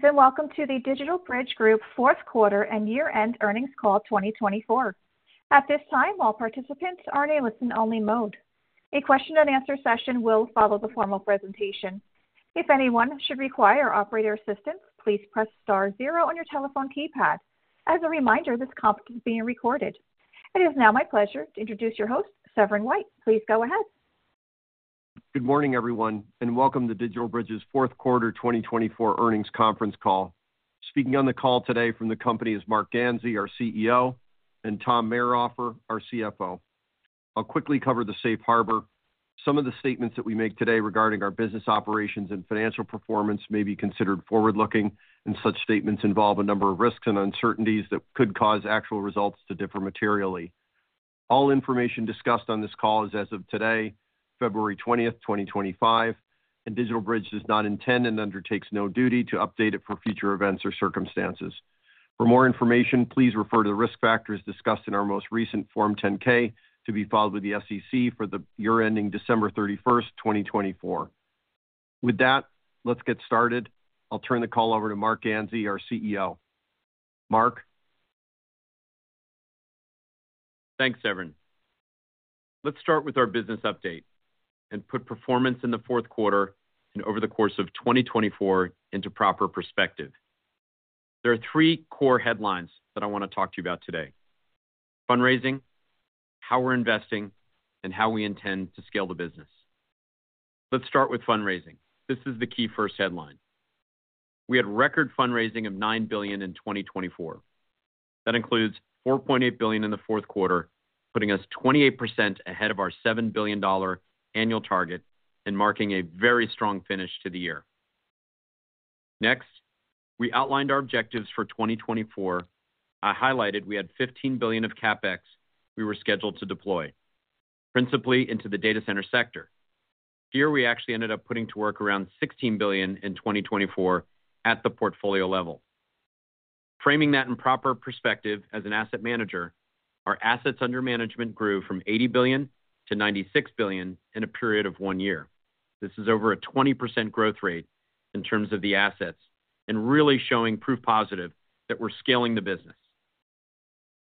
Greetings and welcome to the DigitalBridge Group fourth quarter and year-end earnings call 2024. At this time, all participants are in a listen-only mode. A question-and-answer session will follow the formal presentation. If anyone should require operator assistance, please press star zero on your telephone keypad. As a reminder, this conference is being recorded. It is now my pleasure to introduce your host, Severin White. Please go ahead. Good morning, everyone, and welcome to DigitalBridge's fourth quarter 2024 earnings conference call. Speaking on the call today from the company is Marc Ganzi, our CEO, and Tom Mayrhofer, our CFO. I'll quickly cover the safe harbor. Some of the statements that we make today regarding our business operations and financial performance may be considered forward-looking, and such statements involve a number of risks and uncertainties that could cause actual results to differ materially. All information discussed on this call is as of today, February 20th, 2025, and DigitalBridge does not intend and undertakes no duty to update it for future events or circumstances. For more information, please refer to the risk factors discussed in our most recent Form 10-K to be filed with the SEC for the year-ending December 31st, 2024. With that, let's get started. I'll turn the call over to Marc Ganzi, our CEO. Marc. Thanks, Severin. Let's start with our business update and put performance in the fourth quarter and over the course of 2024 into proper perspective. There are three core headlines that I want to talk to you about today: fundraising, how we're investing, and how we intend to scale the business. Let's start with fundraising. This is the key first headline. We had record fundraising of $9 billion in 2024. That includes $4.8 billion in the fourth quarter, putting us 28% ahead of our $7 billion annual target and marking a very strong finish to the year. Next, we outlined our objectives for 2024. I highlighted we had $15 billion of CapEx we were scheduled to deploy, principally into the data center sector. Here, we actually ended up putting to work around $16 billion in 2024 at the portfolio level. Framing that in proper perspective as an asset manager, our assets under management grew from $80 billion to $96 billion in a period of one year. This is over a 20% growth rate in terms of the assets and really showing proof positive that we're scaling the business.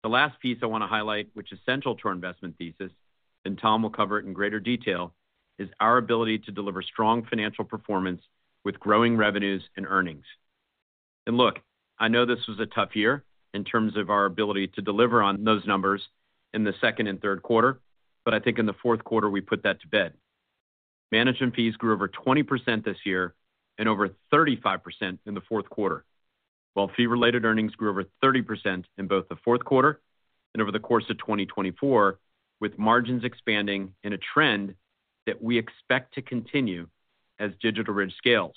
The last piece I want to highlight, which is central to our investment thesis, and Tom will cover it in greater detail, is our ability to deliver strong financial performance with growing revenues and earnings, and look, I know this was a tough year in terms of our ability to deliver on those numbers in the second and third quarter, but I think in the fourth quarter we put that to bed. Management fees grew over 20% this year and over 35% in the fourth quarter, while fee-related earnings grew over 30% in both the fourth quarter and over the course of 2024, with margins expanding in a trend that we expect to continue as DigitalBridge scales,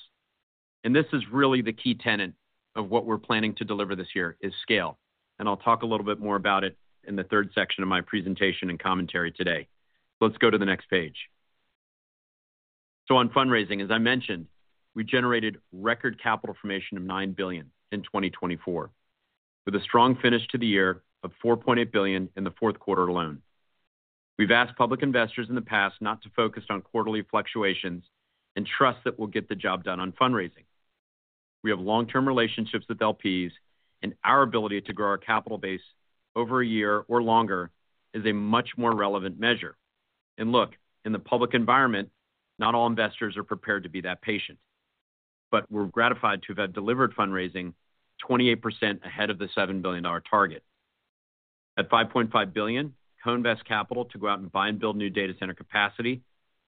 and this is really the key tenet of what we're planning to deliver this year is scale, and I'll talk a little bit more about it in the third section of my presentation and commentary today. Let's go to the next page, so on fundraising, as I mentioned, we generated record capital formation of $9 billion in 2024, with a strong finish to the year of $4.8 billion in the fourth quarter alone. We've asked public investors in the past not to focus on quarterly fluctuations and trust that we'll get the job done on fundraising. We have long-term relationships with LPs, and our ability to grow our capital base over a year or longer is a much more relevant measure, and look, in the public environment, not all investors are prepared to be that patient, but we're gratified to have delivered fundraising 28% ahead of the $7 billion target. At $5.5 billion, co-invest capital to go out and buy and build new data center capacity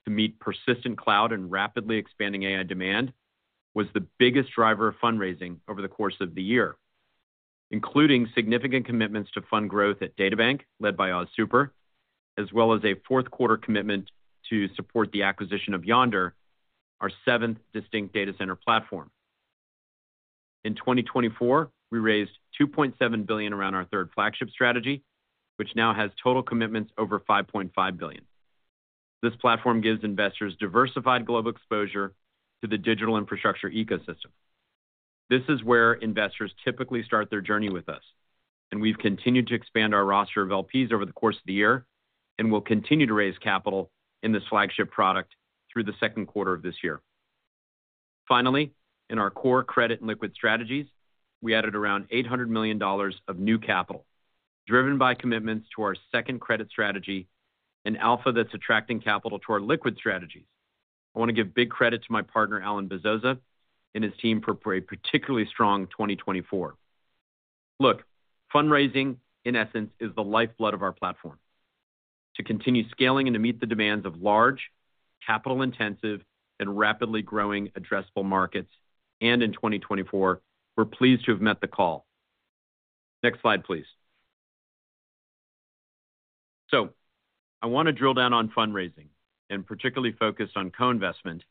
to meet persistent cloud and rapidly expanding AI demand was the biggest driver of fundraising over the course of the year, including significant commitments to fund growth at DataBank led by AustralianSuper, as well as a fourth quarter commitment to support the acquisition of Yondr, our seventh distinct data center platform. In 2024, we raised $2.7 billion around our third flagship strategy, which now has total commitments over $5.5 billion. This platform gives investors diversified global exposure to the digital infrastructure ecosystem. This is where investors typically start their journey with us, and we've continued to expand our roster of LPs over the course of the year and will continue to raise capital in this flagship product through the second quarter of this year. Finally, in our core credit and liquid strategies, we added around $800 million of new capital, driven by commitments to our second credit strategy and alpha that's attracting capital to our liquid strategies. I want to give big credit to my partner, Alan Bezoza, and his team for a particularly strong 2024. Look, fundraising, in essence, is the lifeblood of our platform. To continue scaling and to meet the demands of large, capital-intensive, and rapidly growing addressable markets, and in 2024, we're pleased to have met the call. Next slide, please. So I want to drill down on fundraising and particularly focus on co-investment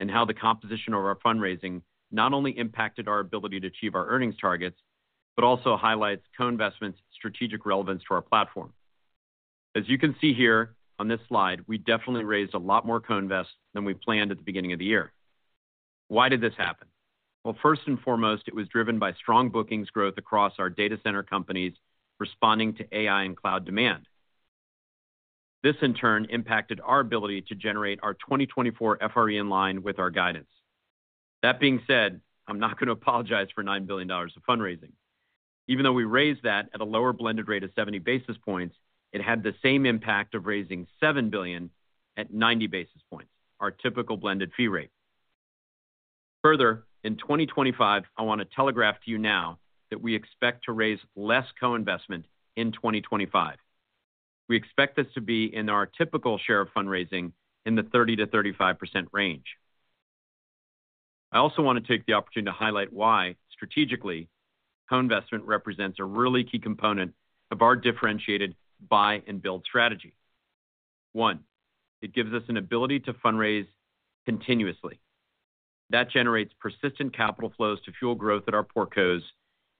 and how the composition of our fundraising not only impacted our ability to achieve our earnings targets, but also highlights co-investment's strategic relevance to our platform. As you can see here on this slide, we definitely raised a lot more co-invest than we planned at the beginning of the year. Why did this happen? Well, first and foremost, it was driven by strong bookings growth across our data center companies responding to AI and cloud demand. This, in turn, impacted our ability to generate our 2024 FRE in line with our guidance. That being said, I'm not going to apologize for $9 billion of fundraising. Even though we raised that at a lower blended rate of 70 basis points, it had the same impact of raising $7 billion at 90 basis points, our typical blended fee rate. Further, in 2025, I want to telegraph to you now that we expect to raise less co-investment in 2025. We expect this to be in our typical share of fundraising in the 30%-35% range. I also want to take the opportunity to highlight why, strategically, co-investment represents a really key component of our differentiated buy and build strategy. One, it gives us an ability to fundraise continuously. That generates persistent capital flows to fuel growth at our portcos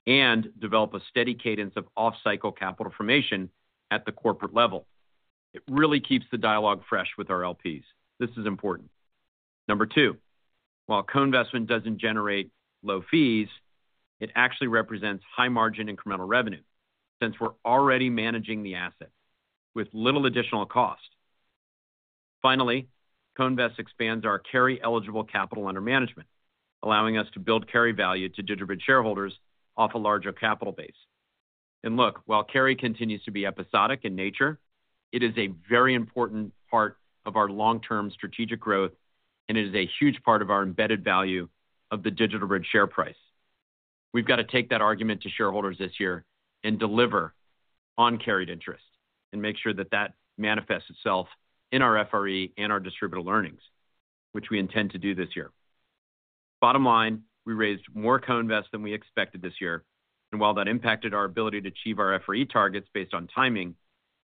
and develop a steady cadence of off-cycle capital formation at the corporate level. It really keeps the dialogue fresh with our LPs. This is important. Number two, while co-investment doesn't generate low fees, it actually represents high-margin incremental revenue since we're already managing the asset with little additional cost. Finally, co-invest expands our carry-eligible capital under management, allowing us to build carry value to DigitalBridge shareholders off a larger capital base. And look, while carry continues to be episodic in nature, it is a very important part of our long-term strategic growth, and it is a huge part of our embedded value of the DigitalBridge share price. We've got to take that argument to shareholders this year and deliver on carried interest and make sure that that manifests itself in our FRE and our distributed earnings, which we intend to do this year. Bottom line, we raised more co-invest than we expected this year. And while that impacted our ability to achieve our FRE targets based on timing,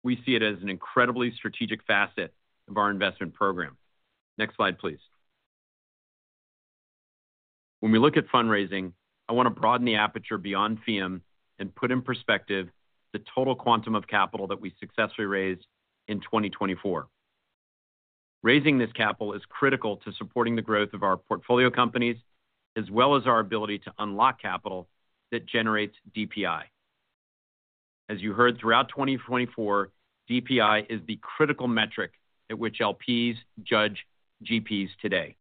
we see it as an incredibly strategic facet of our investment program. Next slide, please. When we look at fundraising, I want to broaden the aperture beyond FEEUM and put in perspective the total quantum of capital that we successfully raised in 2024. Raising this capital is critical to supporting the growth of our portfolio companies as well as our ability to unlock capital that generates DPI. As you heard, throughout 2024, DPI is the critical metric at which LPs judge GPs today.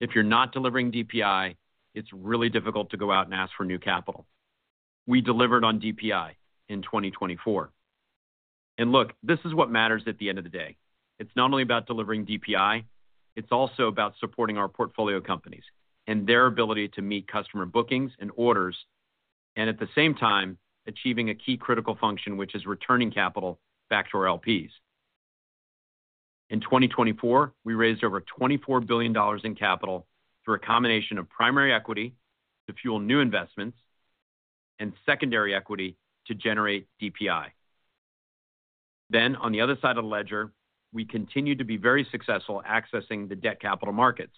If you're not delivering DPI, it's really difficult to go out and ask for new capital. We delivered on DPI in 2024, and look, this is what matters at the end of the day. It's not only about delivering DPI, it's also about supporting our portfolio companies and their ability to meet customer bookings and orders, and at the same time, achieving a key critical function, which is returning capital back to our LPs. In 2024, we raised over $24 billion in capital through a combination of primary equity to fuel new investments and secondary equity to generate DPI. Then, on the other side of the ledger, we continue to be very successful accessing the debt capital markets.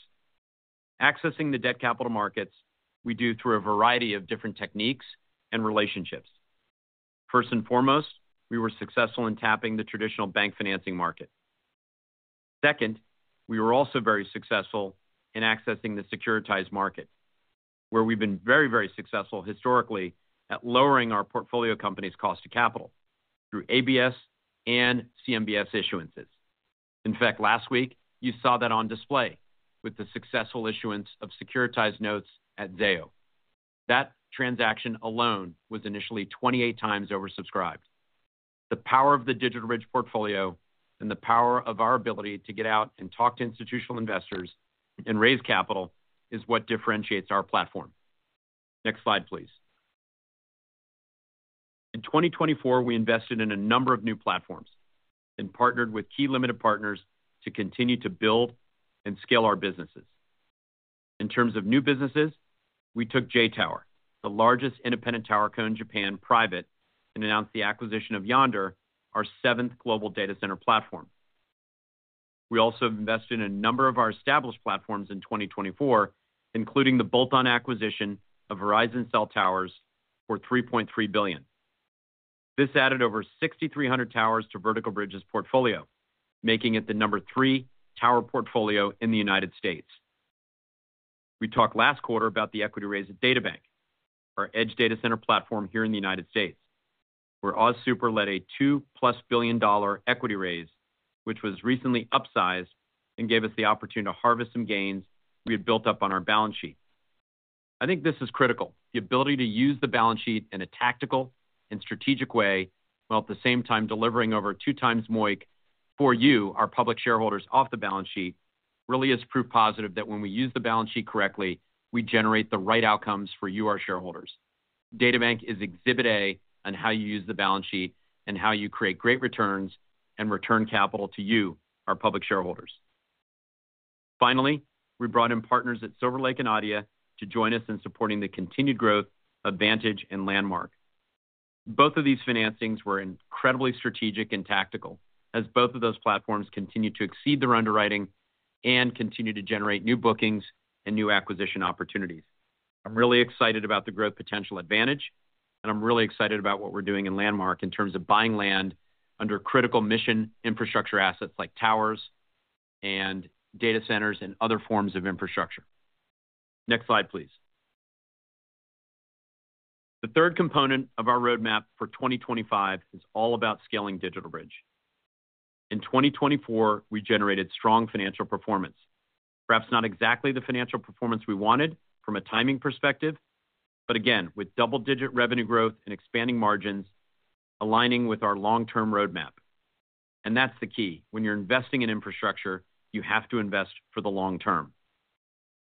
Accessing the debt capital markets, we do through a variety of different techniques and relationships. First and foremost, we were successful in tapping the traditional bank financing market. Second, we were also very successful in accessing the securitized market, where we've been very, very successful historically at lowering our portfolio companies' cost of capital through ABS and CMBS issuances. In fact, last week, you saw that on display with the successful issuance of securitized notes at Zayo. That transaction alone was initially 28 times oversubscribed. The power of the DigitalBridge portfolio and the power of our ability to get out and talk to institutional investors and raise capital is what differentiates our platform. Next slide, please. In 2024, we invested in a number of new platforms and partnered with key limited partners to continue to build and scale our businesses. In terms of new businesses, we took JTOWER, the largest independent TowerCo in Japan private, and announced the acquisition of Yondr, our seventh global data center platform. We also invested in a number of our established platforms in 2024, including the bolt-on acquisition of Verizon cell towers for $3.3 billion. This added over 6,300 towers to Vertical Bridge's portfolio, making it the number three tower portfolio in the United States. We talked last quarter about the equity raise at DataBank, our edge data center platform here in the United States, where AustralianSuper led a $2+ billion equity raise, which was recently upsized and gave us the opportunity to harvest some gains we had built up on our balance sheet. I think this is critical. The ability to use the balance sheet in a tactical and strategic way while at the same time delivering over two times MOIC for you, our public shareholders, off the balance sheet really is proof positive that when we use the balance sheet correctly, we generate the right outcomes for you, our shareholders. DataBank is Exhibit A on how you use the balance sheet and how you create great returns and return capital to you, our public shareholders. Finally, we brought in partners at Silver Lake and ADIA to join us in supporting the continued growth of Vantage and Landmark. Both of these financings were incredibly strategic and tactical as both of those platforms continue to exceed their underwriting and continue to generate new bookings and new acquisition opportunities. I'm really excited about the growth potential at Vantage, and I'm really excited about what we're doing in Landmark in terms of buying land under critical mission infrastructure assets like towers and data centers and other forms of infrastructure. Next slide, please. The third component of our roadmap for 2025 is all about scaling DigitalBridge. In 2024, we generated strong financial performance, perhaps not exactly the financial performance we wanted from a timing perspective, but again, with double-digit revenue growth and expanding margins, aligning with our long-term roadmap. And that's the key. When you're investing in infrastructure, you have to invest for the long term.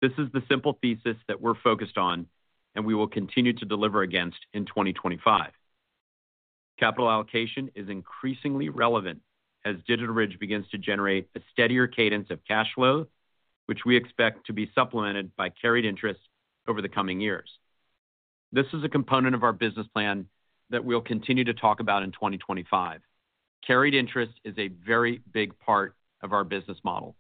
This is the simple thesis that we're focused on, and we will continue to deliver against in 2025. Capital allocation is increasingly relevant as DigitalBridge begins to generate a steadier cadence of cash flow, which we expect to be supplemented by carried interest over the coming years. This is a component of our business plan that we'll continue to talk about in 2025. Carried interest is a very big part of our business model.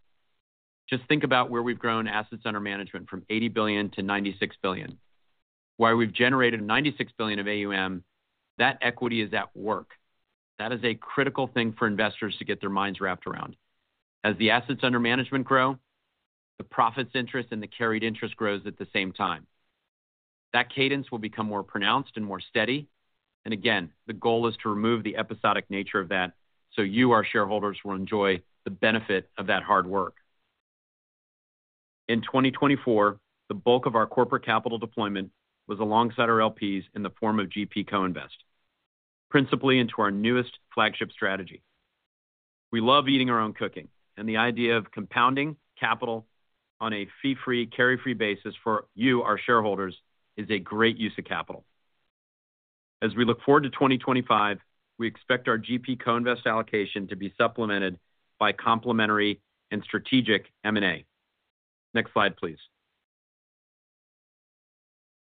Just think about where we've grown assets under management from $80 billion to $96 billion. While we've generated $96 billion of AUM, that equity is at work. That is a critical thing for investors to get their minds wrapped around. As the assets under management grow, the profits interest and the carried interest grows at the same time. That cadence will become more pronounced and more steady, and again, the goal is to remove the episodic nature of that so you, our shareholders, will enjoy the benefit of that hard work. In 2024, the bulk of our corporate capital deployment was alongside our LPs in the form of GP co-invest, principally into our newest flagship strategy. We love eating our own cooking, and the idea of compounding capital on a fee-free, carry-free basis for you, our shareholders, is a great use of capital. As we look forward to 2025, we expect our GP co-invest allocation to be supplemented by complementary and strategic M&A. Next slide, please,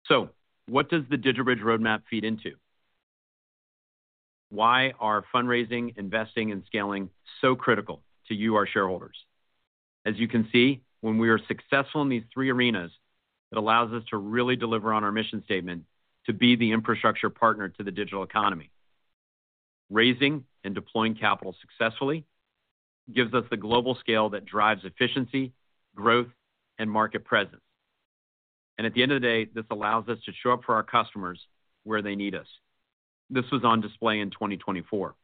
so what does the DigitalBridge roadmap feed into? Why are fundraising, investing, and scaling so critical to you, our shareholders? As you can see, when we are successful in these three arenas, it allows us to really deliver on our mission statement to be the infrastructure partner to the digital economy. Raising and deploying capital successfully gives us the global scale that drives efficiency, growth, and market presence and at the end of the day, this allows us to show up for our customers where they need us. This was on display in 2024.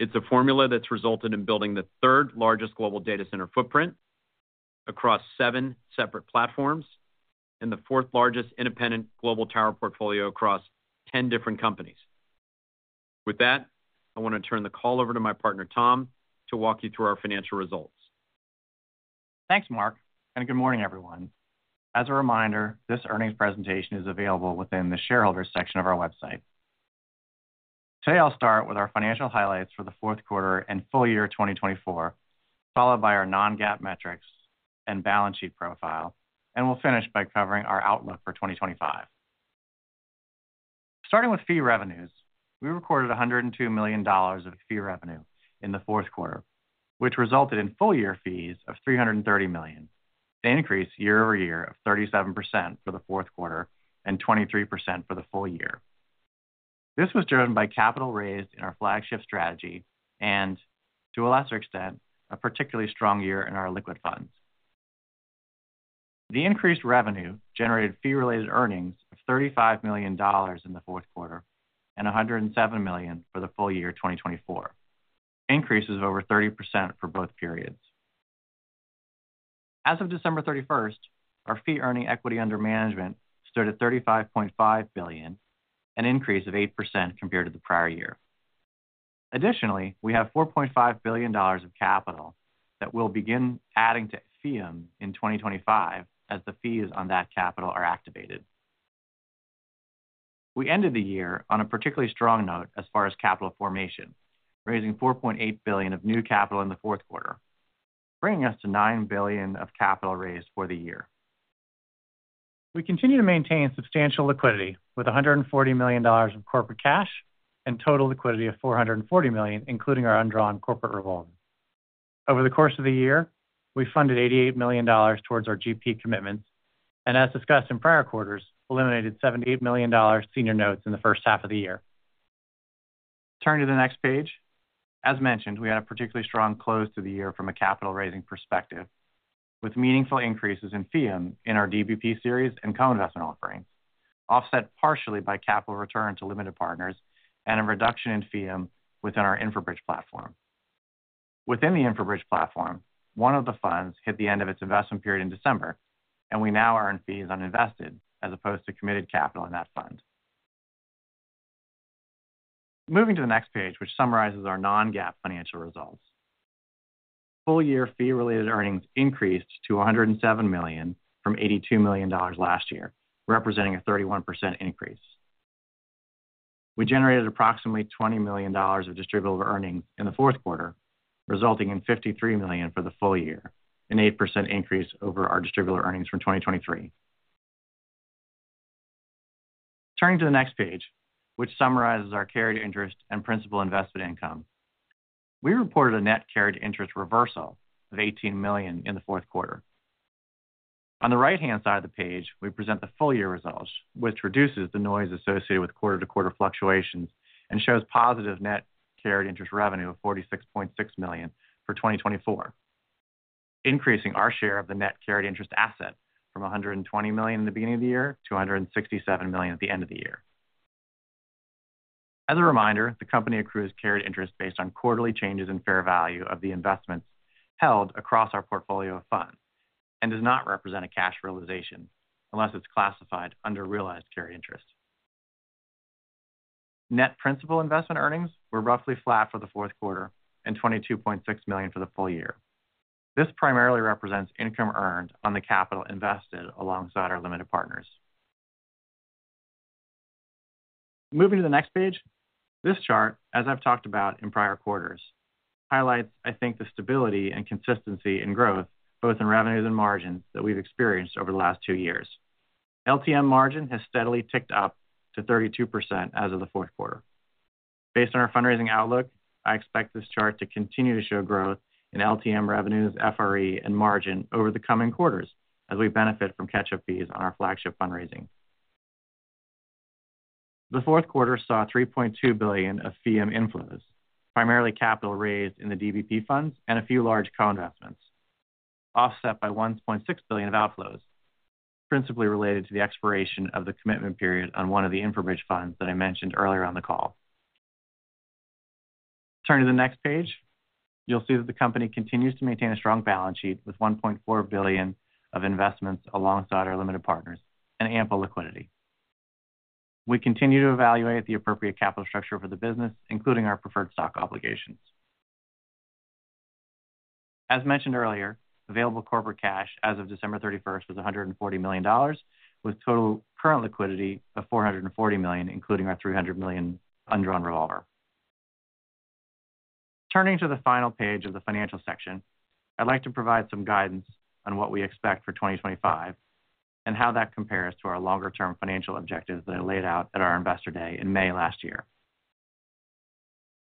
It's a formula that's resulted in building the third largest global data center footprint across seven separate platforms and the fourth largest independent global tower portfolio across 10 different companies. With that, I want to turn the call over to my partner, Tom, to walk you through our financial results. Thanks, Marc, and good morning, everyone. As a reminder, this earnings presentation is available within the shareholders section of our website. Today, I'll start with our financial highlights for the fourth quarter and full year 2024, followed by our non-GAAP metrics and balance sheet profile, and we'll finish by covering our outlook for 2025. Starting with fee revenues, we recorded $102 million of fee revenue in the fourth quarter, which resulted in full year fees of $330 million. The increase year-over-year of 37% for the fourth quarter and 23% for the full year. This was driven by capital raised in our flagship strategy and, to a lesser extent, a particularly strong year in our liquid funds. The increased revenue generated fee-related earnings of $35 million in the fourth quarter and $107 million for the full year 2024, increases of over 30% for both periods. As of December 31st, our fee-earning equity under management stood at $35.5 billion, an increase of 8% compared to the prior year. Additionally, we have $4.5 billion of capital that we'll begin adding to FEEUM in 2025 as the fees on that capital are activated. We ended the year on a particularly strong note as far as capital formation, raising $4.8 billion of new capital in the fourth quarter, bringing us to $9 billion of capital raised for the year. We continue to maintain substantial liquidity with $140 million of corporate cash and total liquidity of $440 million, including our undrawn corporate revolver. Over the course of the year, we funded $88 million towards our GP commitments and, as discussed in prior quarters, eliminated $78 million senior notes in the first half of the year. Turning to the next page, as mentioned, we had a particularly strong close to the year from a capital raising perspective, with meaningful increases in FEEUM in our DBP series and co-investment offerings, offset partially by capital return to limited partners and a reduction in FEEUM within our InfraBridge platform. Within the InfraBridge platform, one of the funds hit the end of its investment period in December, and we now earn fees on invested as opposed to committed capital in that fund. Moving to the next page, which summarizes our non-GAAP financial results. Full year fee-related earnings increased to $107 million from $82 million last year, representing a 31% increase. We generated approximately $20 million of distributed earnings in the fourth quarter, resulting in $53 million for the full year, an 8% increase over our distributed earnings from 2023. Turning to the next page, which summarizes our carried interest and principal investment income, we reported a net carried interest reversal of $18 million in the fourth quarter. On the right-hand side of the page, we present the full year results, which reduces the noise associated with quarter-to-quarter fluctuations and shows positive net carried interest revenue of $46.6 million for 2024, increasing our share of the net carried interest asset from $120 million in the beginning of the year to $167 million at the end of the year. As a reminder, the company accrues carried interest based on quarterly changes in fair value of the investments held across our portfolio of funds and does not represent a cash realization unless it's classified under realized carried interest. Net principal investment earnings were roughly flat for the fourth quarter and $22.6 million for the full year. This primarily represents income earned on the capital invested alongside our limited partners. Moving to the next page, this chart, as I've talked about in prior quarters, highlights, I think, the stability and consistency in growth, both in revenues and margins that we've experienced over the last two years. LTM margin has steadily ticked up to 32% as of the fourth quarter. Based on our fundraising outlook, I expect this chart to continue to show growth in LTM revenues, FRE, and margin over the coming quarters as we benefit from catch-up fees on our flagship fundraising. The fourth quarter saw $3.2 billion of FEEUM inflows, primarily capital raised in the DBP funds and a few large co-investments, offset by $1.6 billion of outflows, principally related to the expiration of the commitment period on one of the InfraBridge funds that I mentioned earlier on the call. Turning to the next page, you'll see that the company continues to maintain a strong balance sheet with $1.4 billion of investments alongside our limited partners and ample liquidity. We continue to evaluate the appropriate capital structure for the business, including our preferred stock obligations. As mentioned earlier, available corporate cash as of December 31st was $140 million, with total current liquidity of $440 million, including our $300 million undrawn revolver. Turning to the final page of the financial section, I'd like to provide some guidance on what we expect for 2025 and how that compares to our longer-term financial objectives that I laid out at our investor day in May last year.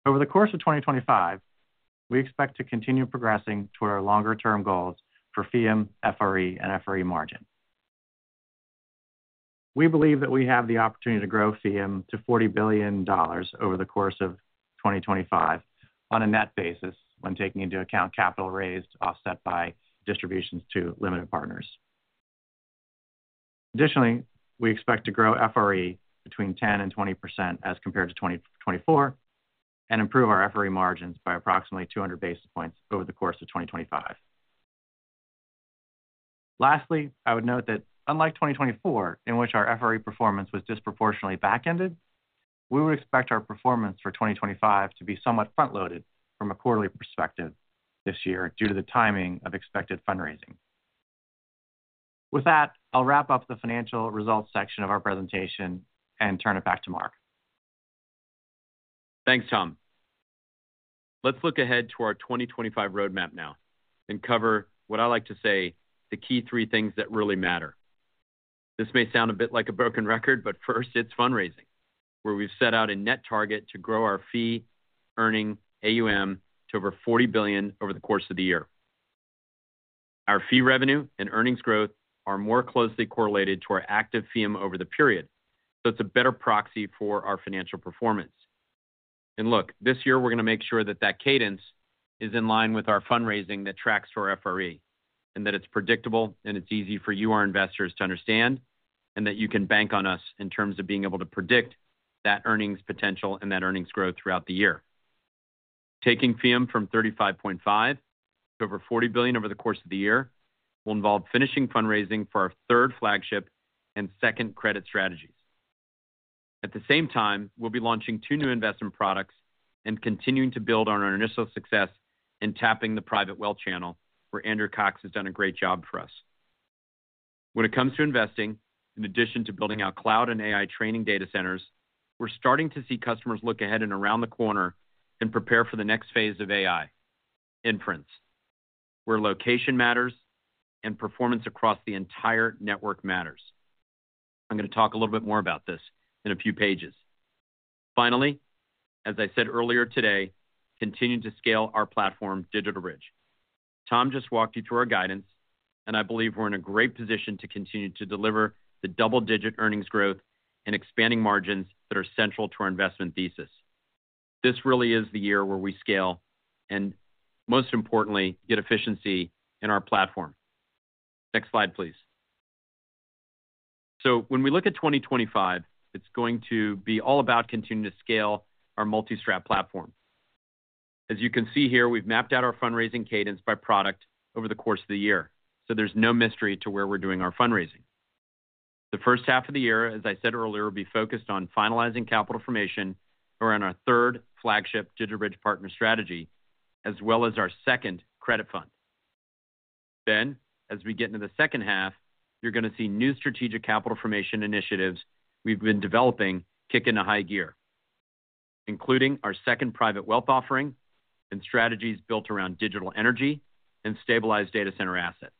Over the course of 2025, we expect to continue progressing toward our longer-term goals for FEEUM, FRE, and FRE margin. We believe that we have the opportunity to grow FEEUM to $40 billion over the course of 2025 on a net basis when taking into account capital raised offset by distributions to limited partners. Additionally, we expect to grow FRE between 10% and 20% as compared to 2024 and improve our FRE margins by approximately 200 basis points over the course of 2025. Lastly, I would note that unlike 2024, in which our FRE performance was disproportionately back-ended, we would expect our performance for 2025 to be somewhat front-loaded from a quarterly perspective this year due to the timing of expected fundraising. With that, I'll wrap up the financial results section of our presentation and turn it back to Marc. Thanks, Tom. Let's look ahead to our 2025 roadmap now and cover what I like to say the key three things that really matter. This may sound a bit like a broken record, but first, it's fundraising, where we've set out a net target to grow our fee-earning AUM to over $40 billion over the course of the year. Our fee revenue and earnings growth are more closely correlated to our active FEEUM over the period, so it's a better proxy for our financial performance, and look, this year, we're going to make sure that that cadence is in line with our fundraising that tracks for FRE and that it's predictable and it's easy for you, our investors, to understand and that you can bank on us in terms of being able to predict that earnings potential and that earnings growth throughout the year. Taking FEEUM from $35.5 billion to over $40 billion over the course of the year will involve finishing fundraising for our third flagship and second credit strategies. At the same time, we'll be launching two new investment products and continuing to build on our initial success in tapping the private wealth channel, where Andrew Cox has done a great job for us. When it comes to investing, in addition to building out cloud and AI training data centers, we're starting to see customers look ahead and around the corner and prepare for the next phase of AI, inference, where location matters and performance across the entire network matters. I'm going to talk a little bit more about this in a few pages. Finally, as I said earlier today, continue to scale our platform, DigitalBridge. Tom just walked you through our guidance, and I believe we're in a great position to continue to deliver the double-digit earnings growth and expanding margins that are central to our investment thesis. This really is the year where we scale and, most importantly, get efficiency in our platform. Next slide, please. So when we look at 2025, it's going to be all about continuing to scale our multi-strat platform. As you can see here, we've mapped out our fundraising cadence by product over the course of the year, so there's no mystery to where we're doing our fundraising. The first half of the year, as I said earlier, will be focused on finalizing capital formation around our third flagship DigitalBridge Partners strategy, as well as our second credit fund. Then, as we get into the second half, you're going to see new strategic capital formation initiatives we've been developing kick into high gear, including our second private wealth offering and strategies built around digital energy and stabilized data center assets.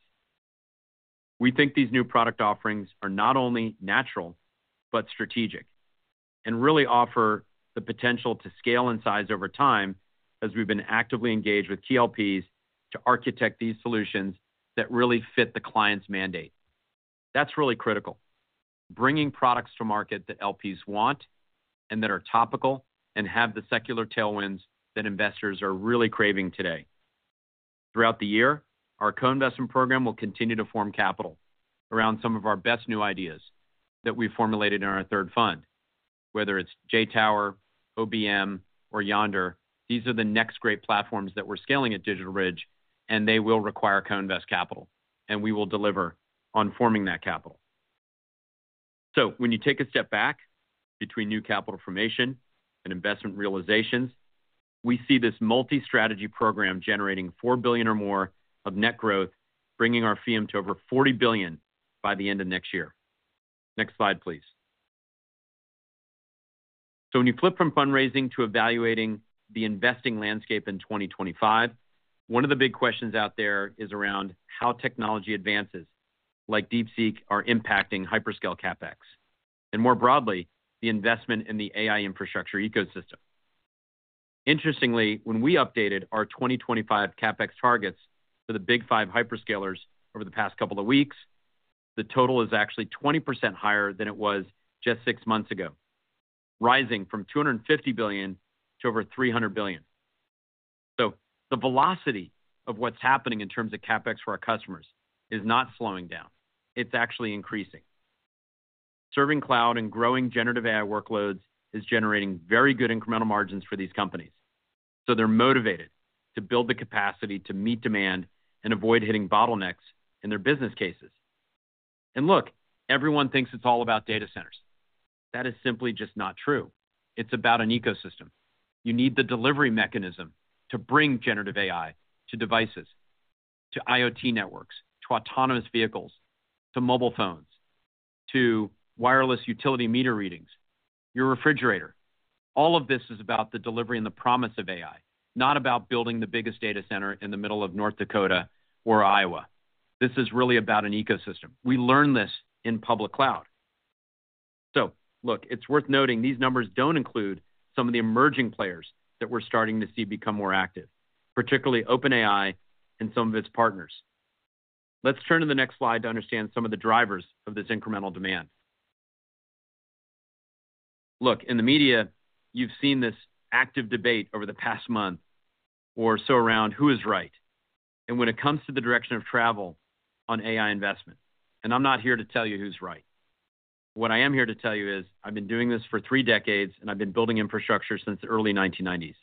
We think these new product offerings are not only natural but strategic and really offer the potential to scale in size over time as we've been actively engaged with key LPs to architect these solutions that really fit the client's mandate. That's really critical: bringing products to market that LPs want and that are topical and have the secular tailwinds that investors are really craving today. Throughout the year, our co-investment program will continue to form capital around some of our best new ideas that we've formulated in our third fund, whether it's JTOWER, OBM, or Yondr. These are the next great platforms that we're scaling at DigitalBridge, and they will require co-invest capital, and we will deliver on forming that capital. So when you take a step back between new capital formation and investment realizations, we see this multi-strategy program generating $4 billion or more of net growth, bringing our FEEUM to over $40 billion by the end of next year. Next slide, please. So when you flip from fundraising to evaluating the investing landscape in 2025, one of the big questions out there is around how technology advances like DeepSeek are impacting hyperscale CapEx and, more broadly, the investment in the AI infrastructure ecosystem. Interestingly, when we updated our 2025 CapEx targets for the big five hyperscalers over the past couple of weeks, the total is actually 20% higher than it was just six months ago, rising from $250 billion to over $300 billion. So the velocity of what's happening in terms of CapEx for our customers is not slowing down. It's actually increasing. Serving cloud and growing generative AI workloads is generating very good incremental margins for these companies, so they're motivated to build the capacity to meet demand and avoid hitting bottlenecks in their business cases. And look, everyone thinks it's all about data centers. That is simply just not true. It's about an ecosystem. You need the delivery mechanism to bring generative AI to devices, to IoT networks, to autonomous vehicles, to mobile phones, to wireless utility meter readings, your refrigerator. All of this is about the delivery and the promise of AI, not about building the biggest data center in the middle of North Dakota or Iowa. This is really about an ecosystem. We learn this in public cloud. So look, it's worth noting these numbers don't include some of the emerging players that we're starting to see become more active, particularly OpenAI and some of its partners. Let's turn to the next slide to understand some of the drivers of this incremental demand. Look, in the media, you've seen this active debate over the past month or so around who is right and when it comes to the direction of travel on AI investment, and I'm not here to tell you who's right. What I am here to tell you is I've been doing this for three decades, and I've been building infrastructure since the early 1990s,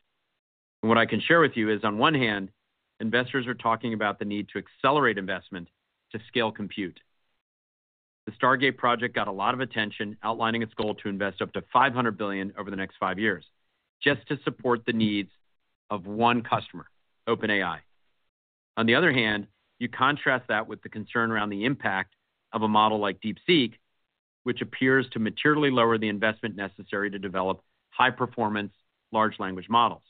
and what I can share with you is, on one hand, investors are talking about the need to accelerate investment to scale compute. The Stargate project got a lot of attention, outlining its goal to invest up to $500 billion over the next five years just to support the needs of one customer, OpenAI. On the other hand, you contrast that with the concern around the impact of a model like DeepSeek, which appears to materially lower the investment necessary to develop high-performance large language models.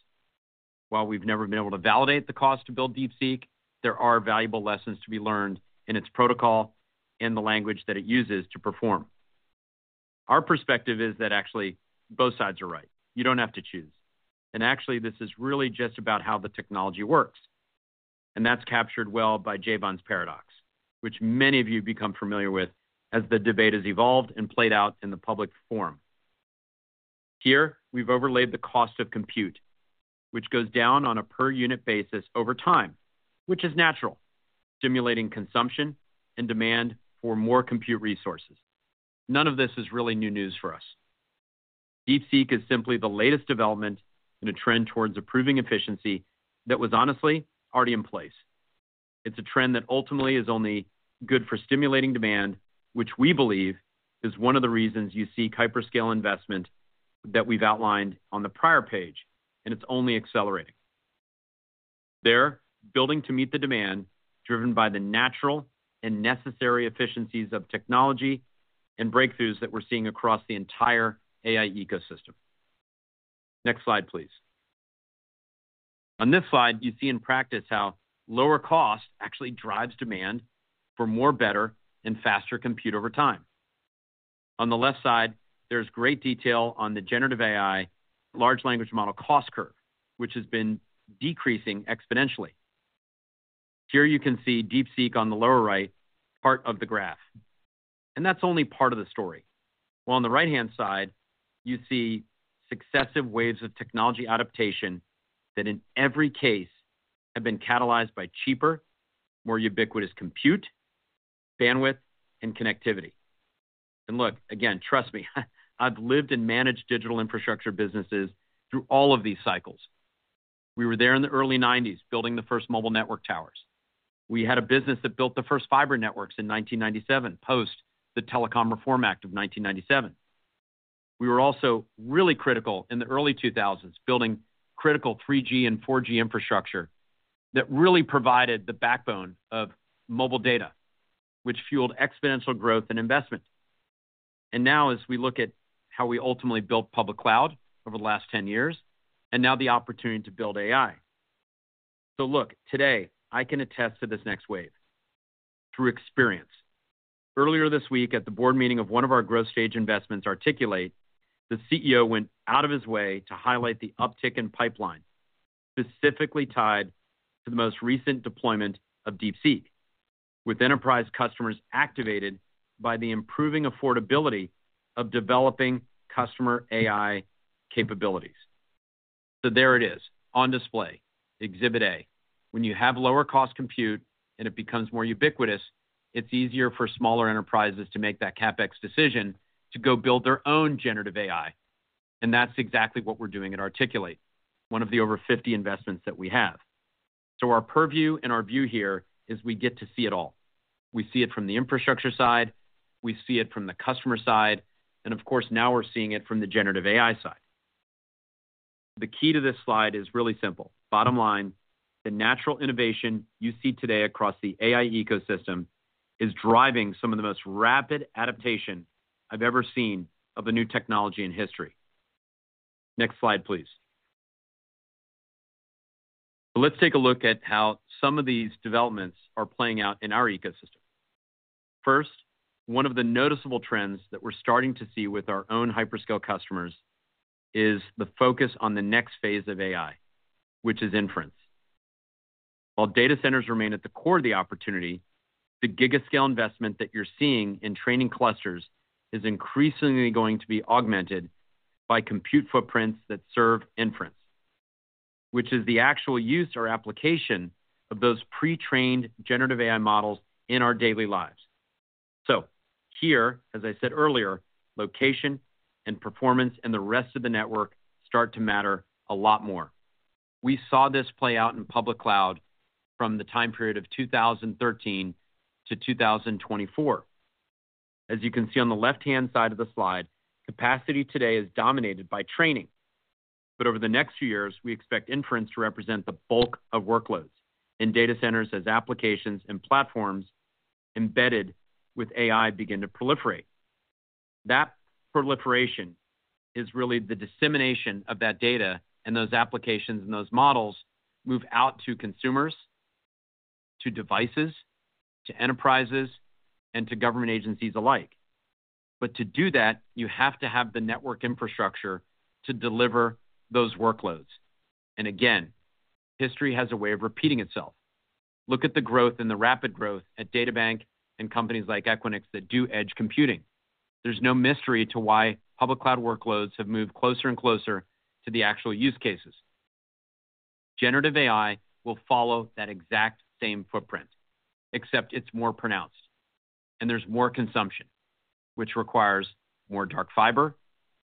While we've never been able to validate the cost to build DeepSeek, there are valuable lessons to be learned in its protocol and the language that it uses to perform. Our perspective is that actually both sides are right. You don't have to choose. And actually, this is really just about how the technology works. And that's captured well by Jevons paradox, which many of you become familiar with as the debate has evolved and played out in the public forum. Here, we've overlaid the cost of compute, which goes down on a per-unit basis over time, which is natural, stimulating consumption and demand for more compute resources. None of this is really new news for us. DeepSeek is simply the latest development and a trend towards improving efficiency that was honestly already in place. It's a trend that ultimately is only good for stimulating demand, which we believe is one of the reasons you see hyperscale investment that we've outlined on the prior page, and it's only accelerating. They're building to meet the demand driven by the natural and necessary efficiencies of technology and breakthroughs that we're seeing across the entire AI ecosystem. Next slide, please. On this slide, you see in practice how lower cost actually drives demand for more better and faster compute over time. On the left side, there's great detail on the generative AI large language model cost curve, which has been decreasing exponentially. Here you can see DeepSeek on the lower right, part of the graph, and that's only part of the story. While on the right-hand side, you see successive waves of technology adaptation that in every case have been catalyzed by cheaper, more ubiquitous compute, bandwidth, and connectivity, and look, again, trust me, I've lived and managed digital infrastructure businesses through all of these cycles. We were there in the early 1990s building the first mobile network towers. We had a business that built the first fiber networks in 1997 post the Telecom Reform Act of 1997. We were also really critical in the early 2000s building critical 3G and 4G infrastructure that really provided the backbone of mobile data, which fueled exponential growth and investment, and now, as we look at how we ultimately built public cloud over the last 10 years and now the opportunity to build AI, so look, today, I can attest to this next wave through experience. Earlier this week at the board meeting of one of our growth stage investments, Articul8, the CEO went out of his way to highlight the uptick in pipeline specifically tied to the most recent deployment of DeepSeek, with enterprise customers activated by the improving affordability of developing customer AI capabilities. So there it is on display, Exhibit A. When you have lower-cost compute and it becomes more ubiquitous, it's easier for smaller enterprises to make that CapEx decision to go build their own generative AI. And that's exactly what we're doing at Articul8, one of the over 50 investments that we have. So our purview and our view here is we get to see it all. We see it from the infrastructure side. We see it from the customer side. And of course, now we're seeing it from the generative AI side. The key to this slide is really simple. Bottom line, the natural innovation you see today across the AI ecosystem is driving some of the most rapid adaptation I've ever seen of a new technology in history. Next slide, please. So let's take a look at how some of these developments are playing out in our ecosystem. First, one of the noticeable trends that we're starting to see with our own hyperscale customers is the focus on the next phase of AI, which is inference. While data centers remain at the core of the opportunity, the gigascale investment that you're seeing in training clusters is increasingly going to be augmented by compute footprints that serve inference, which is the actual use or application of those pre-trained generative AI models in our daily lives. So here, as I said earlier, location and performance and the rest of the network start to matter a lot more. We saw this play out in public cloud from the time period of 2013 to 2024. As you can see on the left-hand side of the slide, capacity today is dominated by training. But over the next few years, we expect inference to represent the bulk of workloads in data centers as applications and platforms embedded with AI begin to proliferate. That proliferation is really the dissemination of that data and those applications and those models move out to consumers, to devices, to enterprises, and to government agencies alike. But to do that, you have to have the network infrastructure to deliver those workloads. And again, history has a way of repeating itself. Look at the growth and the rapid growth at DataBank and companies like Equinix that do edge computing. There's no mystery to why public cloud workloads have moved closer and closer to the actual use cases. Generative AI will follow that exact same footprint, except it's more pronounced, and there's more consumption, which requires more dark fiber.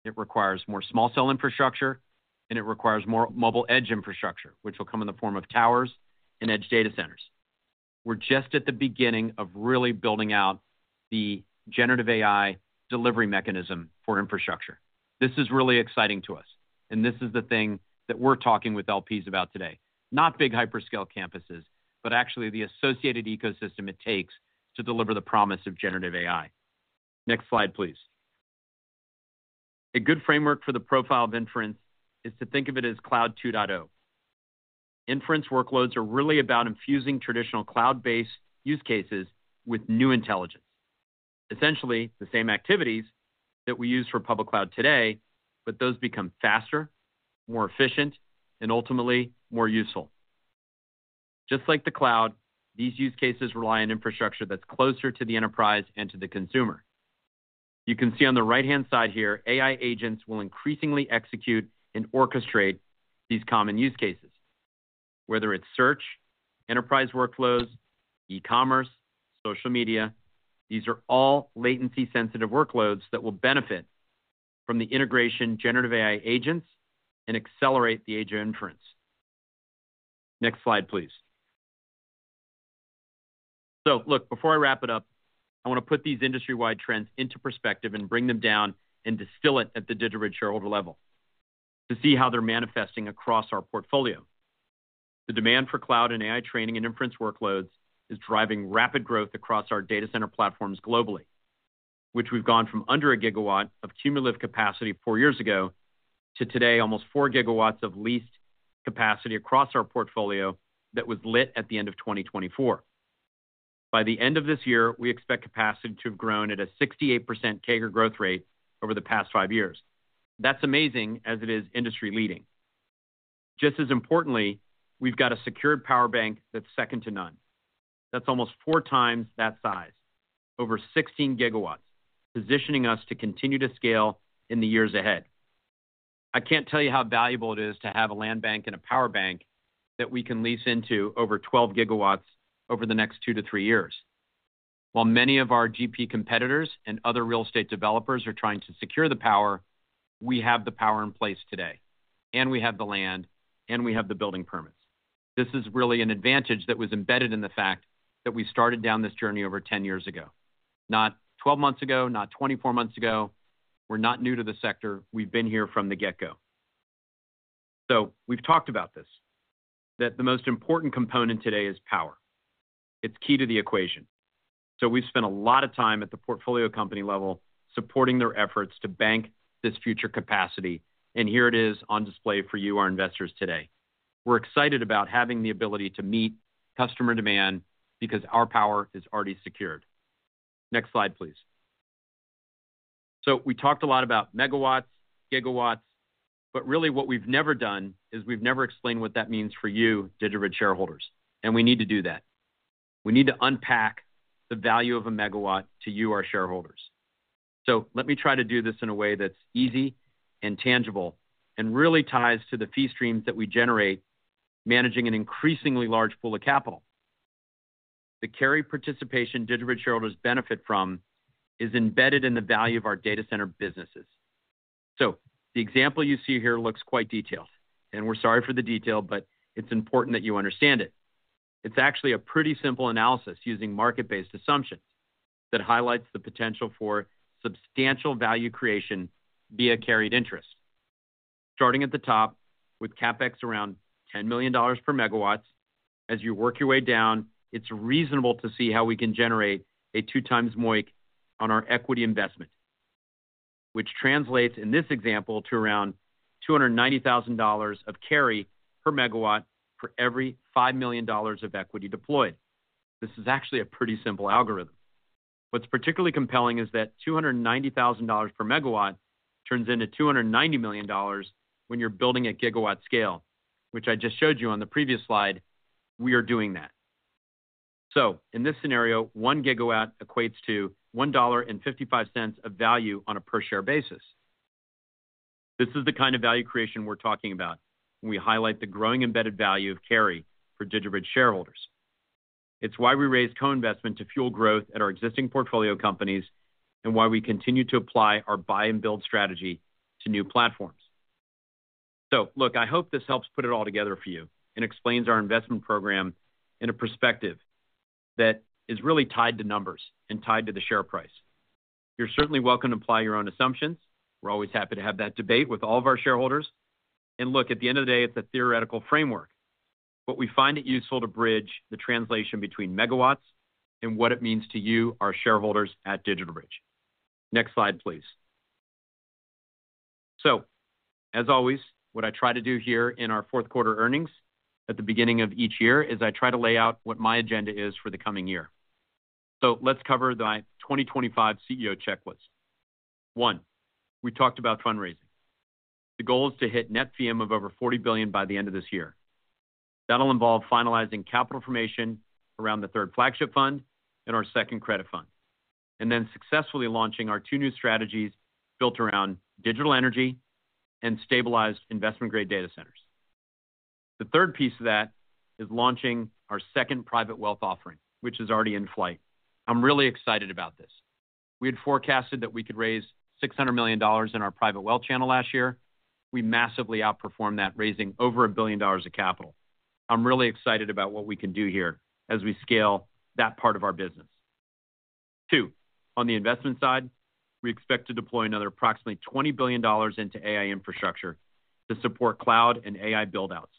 It requires more small-cell infrastructure, and it requires more mobile edge infrastructure, which will come in the form of towers and edge data centers. We're just at the beginning of really building out the generative AI delivery mechanism for infrastructure. This is really exciting to us, and this is the thing that we're talking with LPs about today. Not big hyperscale campuses, but actually the associated ecosystem it takes to deliver the promise of generative AI. Next slide, please. A good framework for the profile of inference is to think of it as Cloud 2.0. Inference workloads are really about infusing traditional cloud-based use cases with new intelligence. Essentially, the same activities that we use for public cloud today, but those become faster, more efficient, and ultimately more useful. Just like the cloud, these use cases rely on infrastructure that's closer to the enterprise and to the consumer. You can see on the right-hand side here, AI agents will increasingly execute and orchestrate these common use cases, whether it's search, enterprise workloads, e-commerce, social media. These are all latency-sensitive workloads that will benefit from the integration of generative AI agents and accelerate the age of inference. Next slide, please. So look, before I wrap it up, I want to put these industry-wide trends into perspective and bring them down and distill it at the DigitalBridge shareholder level to see how they're manifesting across our portfolio. The demand for cloud and AI training and inference workloads is driving rapid growth across our data center platforms globally, which we've gone from under a gigawatt of cumulative capacity four years ago to today, almost 4 GW of leased capacity across our portfolio that was lit at the end of 2024. By the end of this year, we expect capacity to have grown at a 68% CAGR growth rate over the past five years. That's amazing as it is industry-leading. Just as importantly, we've got a secured power bank that's second to none. That's almost four times that size, over 16 GW, positioning us to continue to scale in the years ahead. I can't tell you how valuable it is to have a land bank and a power bank that we can lease into over 12 GW over the next two to three years. While many of our GP competitors and other real estate developers are trying to secure the power, we have the power in place today, and we have the land, and we have the building permits. This is really an advantage that was embedded in the fact that we started down this journey over 10 years ago, not 12 months ago, not 24 months ago. We're not new to the sector. We've been here from the get-go. So we've talked about this, that the most important component today is power. It's key to the equation. So we've spent a lot of time at the portfolio company level supporting their efforts to bank this future capacity. And here it is on display for you, our investors today. We're excited about having the ability to meet customer demand because our power is already secured. Next slide, please. So we talked a lot about megawatts, gigawatts, but really what we've never done is we've never explained what that means for you, DigitalBridge shareholders. And we need to do that. We need to unpack the value of a megawatt to you, our shareholders. So let me try to do this in a way that's easy and tangible and really ties to the fee streams that we generate managing an increasingly large pool of capital. The carry participation DigitalBridge shareholders benefit from is embedded in the value of our data center businesses. So the example you see here looks quite detailed, and we're sorry for the detail, but it's important that you understand it. It's actually a pretty simple analysis using market-based assumptions that highlights the potential for substantial value creation via carried interest. Starting at the top with CapEx around $10 million per megawatt, as you work your way down, it's reasonable to see how we can generate a two-times MOIC on our equity investment, which translates in this example to around $290,000 of carry per megawatt for every $5 million of equity deployed. This is actually a pretty simple algorithm. What's particularly compelling is that $290,000 per megawatt turns into $290 million when you're building at gigawatt scale, which I just showed you on the previous slide. We are doing that. So in this scenario, one gigawatt equates to $1.55 of value on a per-share basis. This is the kind of value creation we're talking about when we highlight the growing embedded value of carry for DigitalBridge shareholders. It's why we raise co-investment to fuel growth at our existing portfolio companies and why we continue to apply our buy-and-build strategy to new platforms. So look, I hope this helps put it all together for you and explains our investment program in a perspective that is really tied to numbers and tied to the share price. You're certainly welcome to apply your own assumptions. We're always happy to have that debate with all of our shareholders. And look, at the end of the day, it's a theoretical framework, but we find it useful to bridge the translation between megawatts and what it means to you, our shareholders at DigitalBridge. Next slide, please. So as always, what I try to do here in our fourth quarter earnings at the beginning of each year is I try to lay out what my agenda is for the coming year. So let's cover the 2025 CEO checklist. One, we talked about fundraising. The goal is to hit net FEEUM of over $40 billion by the end of this year. That'll involve finalizing capital formation around the third flagship fund and our second credit fund, and then successfully launching our two new strategies built around digital energy and stabilized investment-grade data centers. The third piece of that is launching our second private wealth offering, which is already in flight. I'm really excited about this. We had forecasted that we could raise $600 million in our private wealth channel last year. We massively outperformed that, raising over $1 billion of capital. I'm really excited about what we can do here as we scale that part of our business. Two, on the investment side, we expect to deploy another approximately $20 billion into AI infrastructure to support cloud and AI buildouts.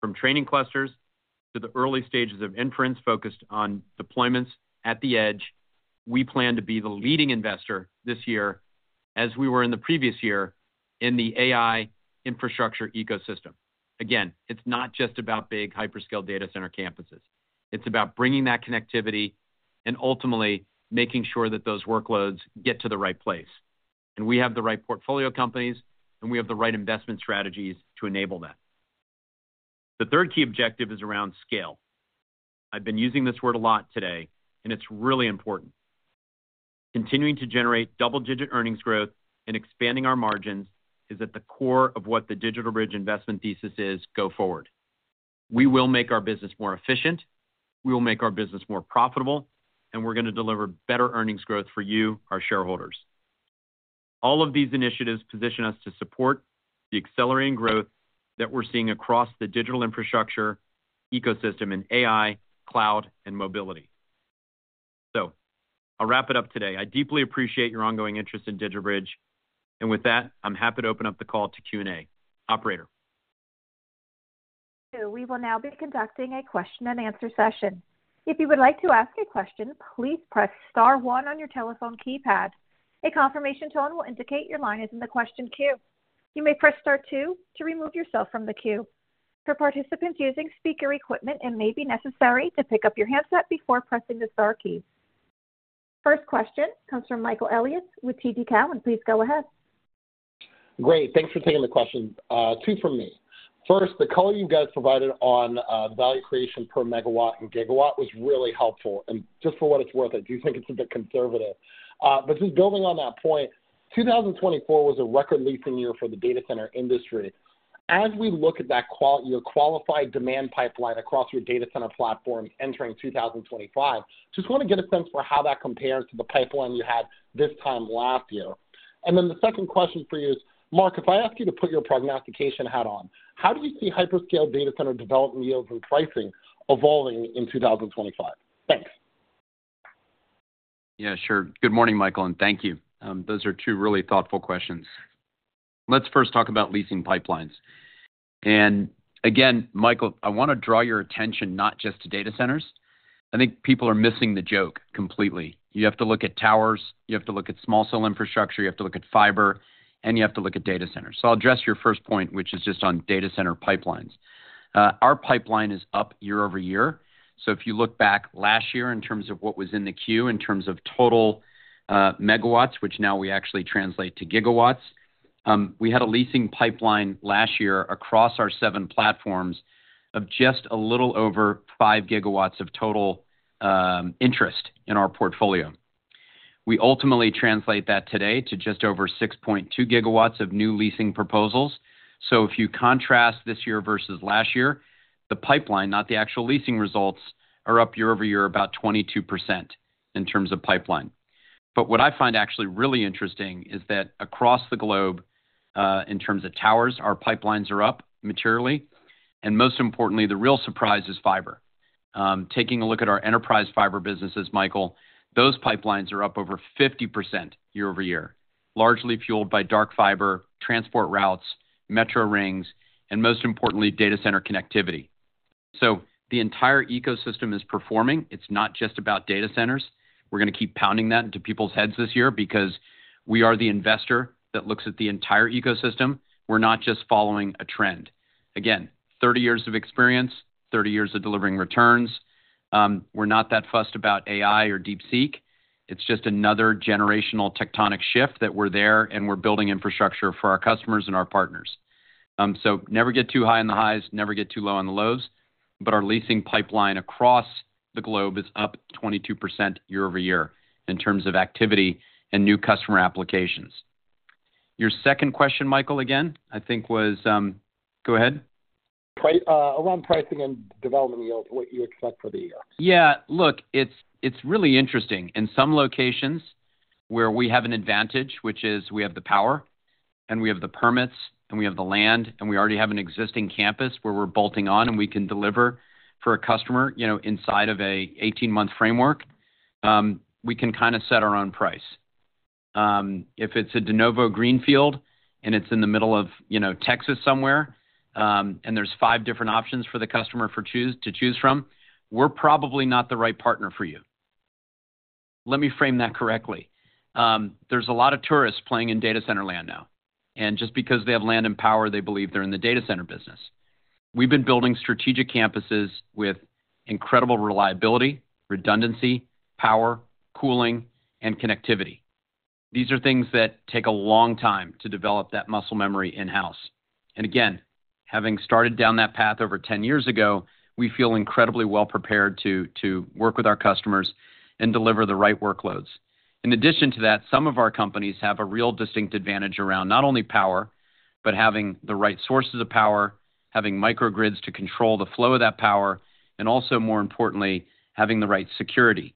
From training clusters to the early stages of inference focused on deployments at the edge, we plan to be the leading investor this year as we were in the previous year in the AI infrastructure ecosystem. Again, it's not just about big hyperscale data center campuses. It's about bringing that connectivity and ultimately making sure that those workloads get to the right place. And we have the right portfolio companies, and we have the right investment strategies to enable that. The third key objective is around scale. I've been using this word a lot today, and it's really important. Continuing to generate double-digit earnings growth and expanding our margins is at the core of what the DigitalBridge investment thesis is going forward. We will make our business more efficient. We will make our business more profitable, and we're going to deliver better earnings growth for you, our shareholders. All of these initiatives position us to support the accelerating growth that we're seeing across the digital infrastructure ecosystem in AI, cloud, and mobility. So I'll wrap it up today. I deeply appreciate your ongoing interest in DigitalBridge. And with that, I'm happy to open up the call to Q&A. Operator. We will now be conducting a question-and-answer session. If you would like to ask a question, please press star one on your telephone keypad. A confirmation tone will indicate your line is in the question queue. You may press star two to remove yourself from the queue. For participants using speaker equipment, it may be necessary to pick up your handset before pressing the star key. First question comes from Michael Elias with TD Cowen, and please go ahead. Great. Thanks for taking the question. Two for me. First, the color you guys provided on value creation per megawatt and gigawatt was really helpful, and just for what it's worth, I do think it's a bit conservative, but just building on that point, 2024 was a record-leading year for the data center industry. As we look at your qualified demand pipeline across your data center platforms entering 2025, just want to get a sense for how that compares to the pipeline you had this time last year. And then the second question for you is, Marc, if I ask you to put your prognostication hat on, how do you see hyperscale data center development yields and pricing evolving in 2025? Thanks. Yeah, sure. Good morning, Michael, and thank you. Those are two really thoughtful questions. Let's first talk about leasing pipelines, and again, Michael, I want to draw your attention not just to data centers. I think people are missing the joke completely. You have to look at towers. You have to look at small-cell infrastructure. You have to look at fiber, and you have to look at data centers. So I'll address your first point, which is just on data center pipelines. Our pipeline is up year-over-year. So if you look back last year in terms of what was in the queue in terms of total megawatts, which now we actually translate to gigawatts, we had a leasing pipeline last year across our seven platforms of just a little over 5 GW of total interest in our portfolio. We ultimately translate that today to just over 6.2 GW of new leasing proposals. So if you contrast this year versus last year, the pipeline, not the actual leasing results, are up year-over-year about 22% in terms of pipeline. But what I find actually really interesting is that across the globe in terms of towers, our pipelines are up materially. And most importantly, the real surprise is fiber. Taking a look at our enterprise fiber businesses, Michael, those pipelines are up over 50% year-over-year, largely fueled by dark fiber, transport routes, metro rings, and most importantly, data center connectivity. So the entire ecosystem is performing. It's not just about data centers. We're going to keep pounding that into people's heads this year because we are the investor that looks at the entire ecosystem. We're not just following a trend. Again, 30 years of experience, 30 years of delivering returns. We're not that fussed about AI or DeepSeek. It's just another generational tectonic shift that we're there and we're building infrastructure for our customers and our partners. Never get too high on the highs, never get too low on the lows. But our leasing pipeline across the globe is up 22% year-over-year in terms of activity and new customer applications. Your second question, Michael, again, I think was go ahead. Around pricing and development yields, what you expect for the year. Yeah. Look, it's really interesting. In some locations where we have an advantage, which is we have the power, and we have the permits, and we have the land, and we already have an existing campus where we're bolting on and we can deliver for a customer inside of an 18-month framework, we can kind of set our own price. If it's a de novo greenfield and it's in the middle of Texas somewhere and there's five different options for the customer to choose from, we're probably not the right partner for you. Let me frame that correctly. There's a lot of tourists playing in data center land now, and just because they have land and power, they believe they're in the data center business. We've been building strategic campuses with incredible reliability, redundancy, power, cooling, and connectivity. These are things that take a long time to develop that muscle memory in-house, and again, having started down that path over 10 years ago, we feel incredibly well prepared to work with our customers and deliver the right workloads. In addition to that, some of our companies have a real distinct advantage around not only power, but having the right sources of power, having microgrids to control the flow of that power, and also, more importantly, having the right security.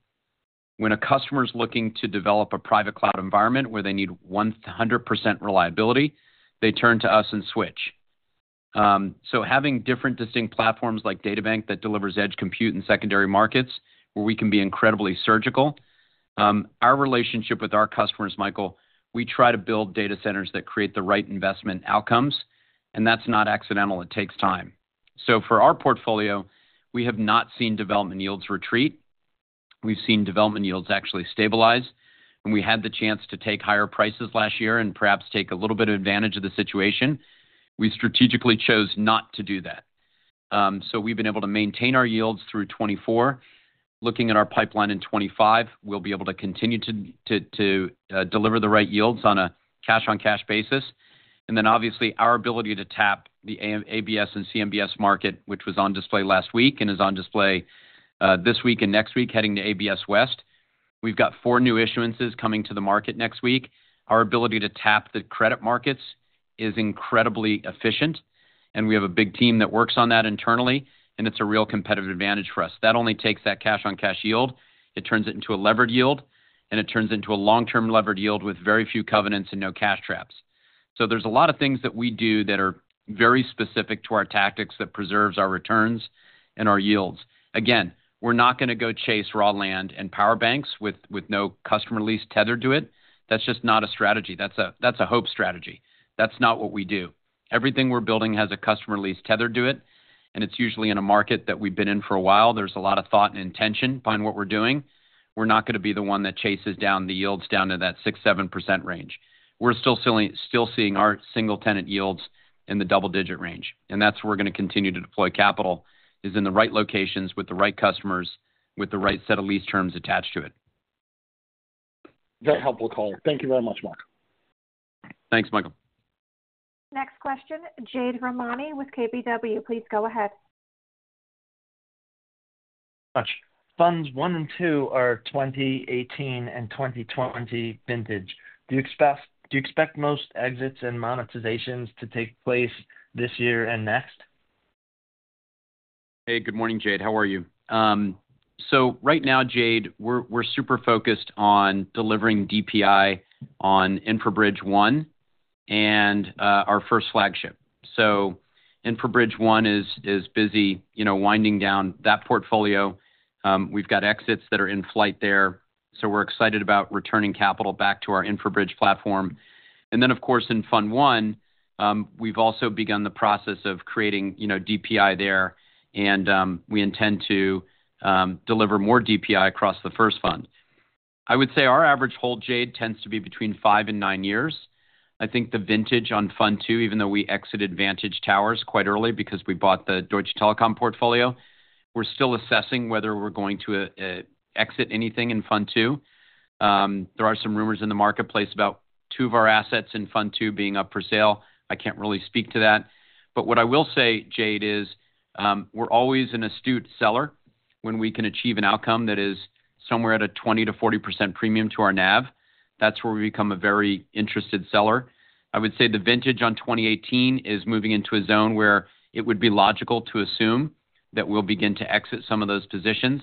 When a customer is looking to develop a private cloud environment where they need 100% reliability, they turn to us and Switch. So having different distinct platforms like DataBank that delivers edge compute in secondary markets where we can be incredibly surgical, our relationship with our customers, Michael, we try to build data centers that create the right investment outcomes, and that's not accidental. It takes time. So for our portfolio, we have not seen development yields retreat. We've seen development yields actually stabilize. When we had the chance to take higher prices last year and perhaps take a little bit of advantage of the situation, we strategically chose not to do that. So we've been able to maintain our yields through 2024. Looking at our pipeline in 2025, we'll be able to continue to deliver the right yields on a cash-on-cash basis. And then, obviously, our ability to tap the ABS and CMBS market, which was on display last week and is on display this week and next week heading to ABS West. We've got four new issuances coming to the market next week. Our ability to tap the credit markets is incredibly efficient, and we have a big team that works on that internally, and it's a real competitive advantage for us. That only takes that cash-on-cash yield. It turns it into a levered yield, and it turns into a long-term levered yield with very few covenants and no cash traps. So there's a lot of things that we do that are very specific to our tactics that preserves our returns and our yields. Again, we're not going to go chase raw land and power banks with no customer lease tethered to it. That's just not a strategy. That's a hope strategy. That's not what we do. Everything we're building has a customer lease tethered to it, and it's usually in a market that we've been in for a while. There's a lot of thought and intention behind what we're doing. We're not going to be the one that chases down the yields down to that 6%-7% range. We're still seeing our single-tenant yields in the double-digit range. And that's where we're going to continue to deploy capital is in the right locations with the right customers with the right set of lease terms attached to it. Very helpful color. Thank you very much, Marc. Thanks, Michael. Next question, Jade Rahmani with KBW. Please go ahead. Gosh. Funds I and II are 2018 and 2020 vintage. Do you expect most exits and monetizations to take place this year and next? Hey, good morning, Jade. How are you? So right now, Jade, we're super focused on delivering DPI on InfraBridge I and our first flagship. So InfraBridge I is busy winding down that portfolio. We've got exits that are in flight there. So we're excited about returning capital back to our InfraBridge platform. And then, of course, in Fund I, we've also begun the process of creating DPI there, and we intend to deliver more DPI across the first fund. I would say our average hold, Jade, tends to be between five and nine years. I think the vintage on Fund II, even though we exited GD Towers quite early because we bought the Deutsche Telekom portfolio, we're still assessing whether we're going to exit anything in Fund II. There are some rumors in the marketplace about two of our assets in Fund II being up for sale. I can't really speak to that. But what I will say, Jade, is we're always an astute seller. When we can achieve an outcome that is somewhere at a 20%-40% premium to our NAV, that's where we become a very interested seller. I would say the vintage on 2018 is moving into a zone where it would be logical to assume that we'll begin to exit some of those positions.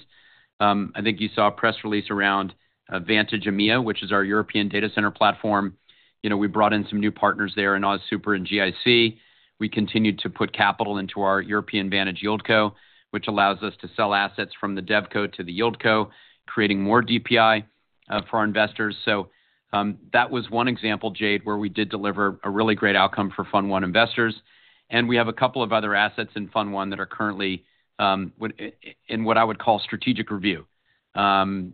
I think you saw a press release around Vantage EMEA, which is our European data center platform. We brought in some new partners there in AustralianSuper and GIC. We continued to put capital into our European Vantage YieldCo, which allows us to sell assets from the DevCo to the YieldCo, creating more DPI for our investors. So that was one example, Jade, where we did deliver a really great outcome for Fund I investors. We have a couple of other assets in Fund I that are currently in what I would call strategic review,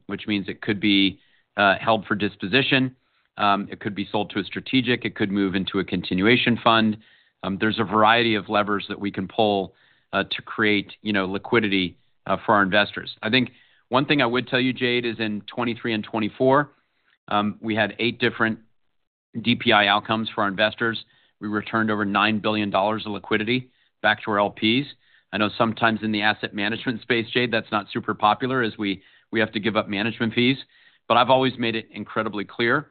which means it could be held for disposition. It could be sold to a strategic. It could move into a continuation fund. There's a variety of levers that we can pull to create liquidity for our investors. I think one thing I would tell you, Jade, is in 2023 and 2024, we had eight different DPI outcomes for our investors. We returned over $9 billion of liquidity back to our LPs. I know sometimes in the asset management space, Jade, that's not super popular as we have to give up management fees. But I've always made it incredibly clear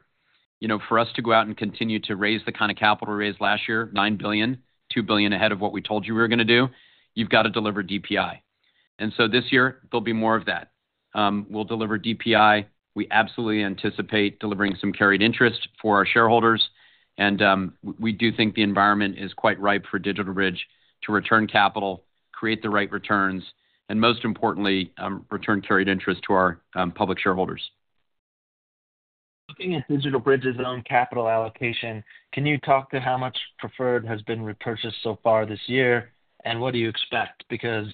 for us to go out and continue to raise the kind of capital we raised last year, $9 billion, $2 billion ahead of what we told you we were going to do. You've got to deliver DPI. And so this year, there'll be more of that. We'll deliver DPI. We absolutely anticipate delivering some carried interest for our shareholders. And we do think the environment is quite ripe for DigitalBridge to return capital, create the right returns, and most importantly, return carried interest to our public shareholders. Looking at DigitalBridge's own capital allocation, can you talk to how much preferred has been repurchased so far this year and what do you expect? Because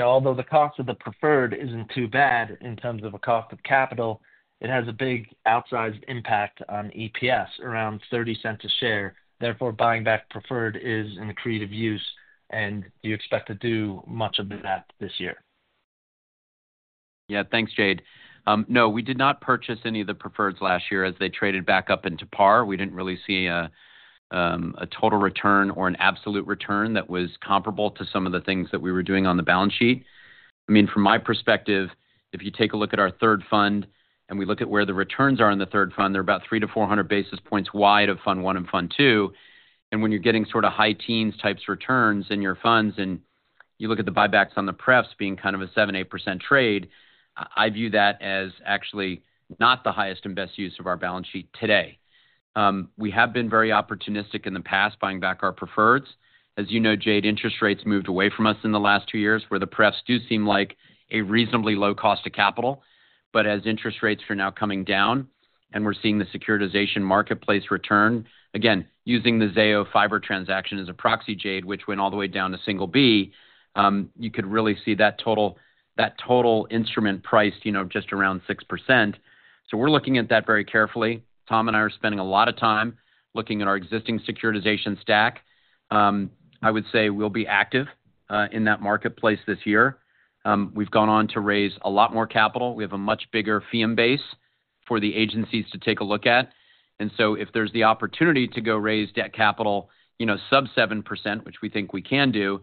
although the cost of the preferred isn't too bad in terms of a cost of capital, it has a big outsized impact on EPS, around $0.30 a share. Therefore, buying back preferred is a creative use. And do you expect to do much of that this year? Yeah. Thanks, Jade. No, we did not purchase any of the preferreds last year as they traded back up into par. We didn't really see a total return or an absolute return that was comparable to some of the things that we were doing on the balance sheet. I mean, from my perspective, if you take a look at our third fund and we look at where the returns are in the third fund, they're about 3-400 basis points wide of Fund I and Fund II. When you're getting sort of high teens types returns in your funds and you look at the buybacks on the prefs being kind of a 7%-8% trade, I view that as actually not the highest and best use of our balance sheet today. We have been very opportunistic in the past buying back our preferreds. As you know, Jade, interest rates moved away from us in the last two years where the prefs do seem like a reasonably low cost of capital. As interest rates are now coming down and we're seeing the securitization marketplace return, again, using the Zayo fiber transaction as a proxy, Jade, which went all the way down to single B, you could really see that total instrument priced just around 6%. We're looking at that very carefully. Tom and I are spending a lot of time looking at our existing securitization stack. I would say we'll be active in that marketplace this year. We've gone on to raise a lot more capital. We have a much bigger fee base for the agencies to take a look at. And so if there's the opportunity to go raise debt capital sub 7%, which we think we can do,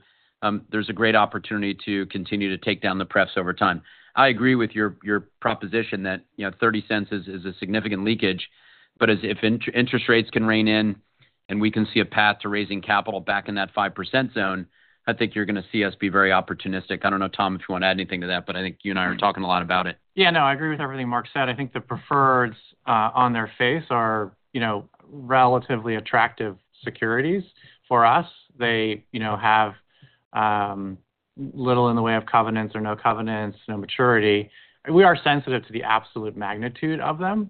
there's a great opportunity to continue to take down the prefs over time. I agree with your proposition that $0.30 is a significant leakage. But if interest rates can rein in and we can see a path to raising capital back in that 5% zone, I think you're going to see us be very opportunistic. I don't know, Tom, if you want to add anything to that, but I think you and I are talking a lot about it. Yeah. No, I agree with everything Marc said. I think the preferreds on their face are relatively attractive securities for us. They have little in the way of covenants or no covenants, no maturity. We are sensitive to the absolute magnitude of them.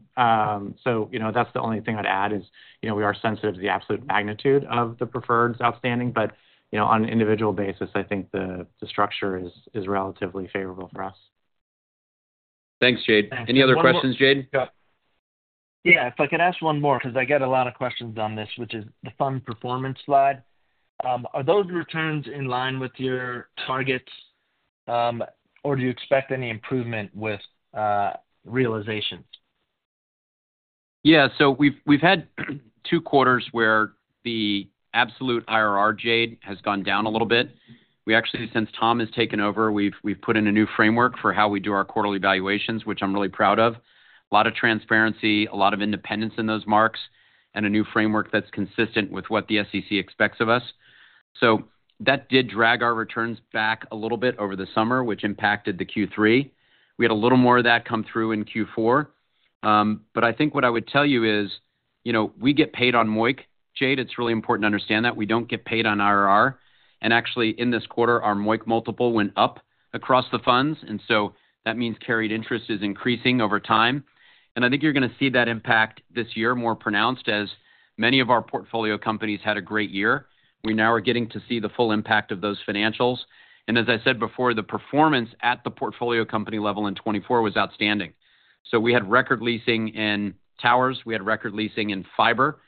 So that's the only thing I'd add is we are sensitive to the absolute magnitude of the preferreds outstanding. But on an individual basis, I think the structure is relatively favorable for us. Thanks, Jade. Any other questions, Jade? Yeah. If I could ask one more because I get a lot of questions on this, which is the fund performance slide. Are those returns in line with your targets, or do you expect any improvement with realizations? Yeah. So we've had two quarters where the absolute IRR, Jade, has gone down a little bit. We actually, since Tom has taken over, we've put in a new framework for how we do our quarterly evaluations, which I'm really proud of. A lot of transparency, a lot of independence in those marks, and a new framework that's consistent with what the SEC expects of us. So that did drag our returns back a little bit over the summer, which impacted the Q3. We had a little more of that come through in Q4. But I think what I would tell you is we get paid on MOIC. Jade, it's really important to understand that. We don't get paid on IRR. And actually, in this quarter, our MOIC multiple went up across the funds. And so that means carried interest is increasing over time. And I think you're going to see that impact this year more pronounced as many of our portfolio companies had a great year. We now are getting to see the full impact of those financials. And as I said before, the performance at the portfolio company level in 2024 was outstanding. So we had record leasing in towers. We had record leasing in fiber.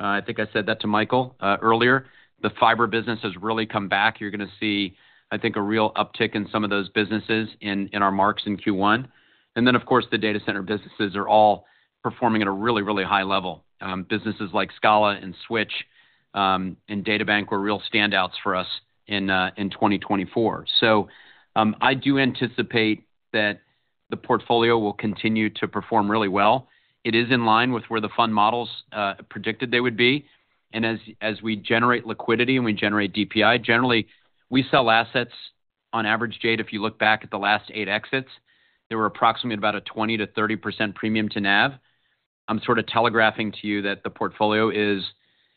I think I said that to Michael earlier. The fiber business has really come back. You're going to see, I think, a real uptick in some of those businesses in our marks in Q1. And then, of course, the data center businesses are all performing at a really, really high level. Businesses like Scala and Switch and DataBank were real standouts for us in 2024. So I do anticipate that the portfolio will continue to perform really well. It is in line with where the fund models predicted they would be. As we generate liquidity and we generate DPI, generally, we sell assets on average, Jade. If you look back at the last eight exits, there were approximately about a 20%-30% premium to NAV. I'm sort of telegraphing to you that the portfolio is,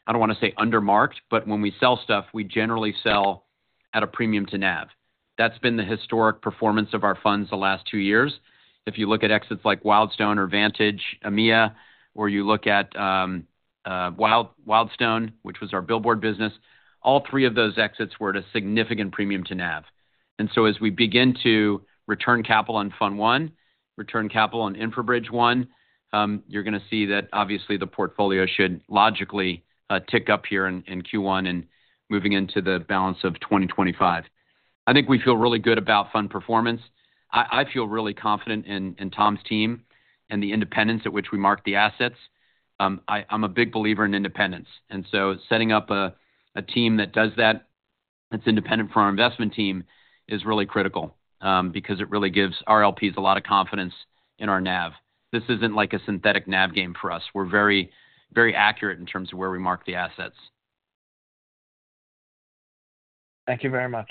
I don't want to say undermarked, but when we sell stuff, we generally sell at a premium to NAV. That's been the historic performance of our funds the last two years. If you look at exits like Wildstone or Vantage EMEA, or you look at Wildstone, which was our billboard business, all three of those exits were at a significant premium to NAV. So as we begin to return capital on Fund I, return capital on InfraBridge I, you're going to see that, obviously, the portfolio should logically tick up here in Q1 and moving into the balance of 2025. I think we feel really good about fund performance. I feel really confident in Tom's team and the independence at which we mark the assets. I'm a big believer in independence. And so setting up a team that does that, that's independent for our investment team, is really critical because it really gives our LPs a lot of confidence in our nav. This isn't like a synthetic nav game for us. We're very, very accurate in terms of where we mark the assets. Thank you very much.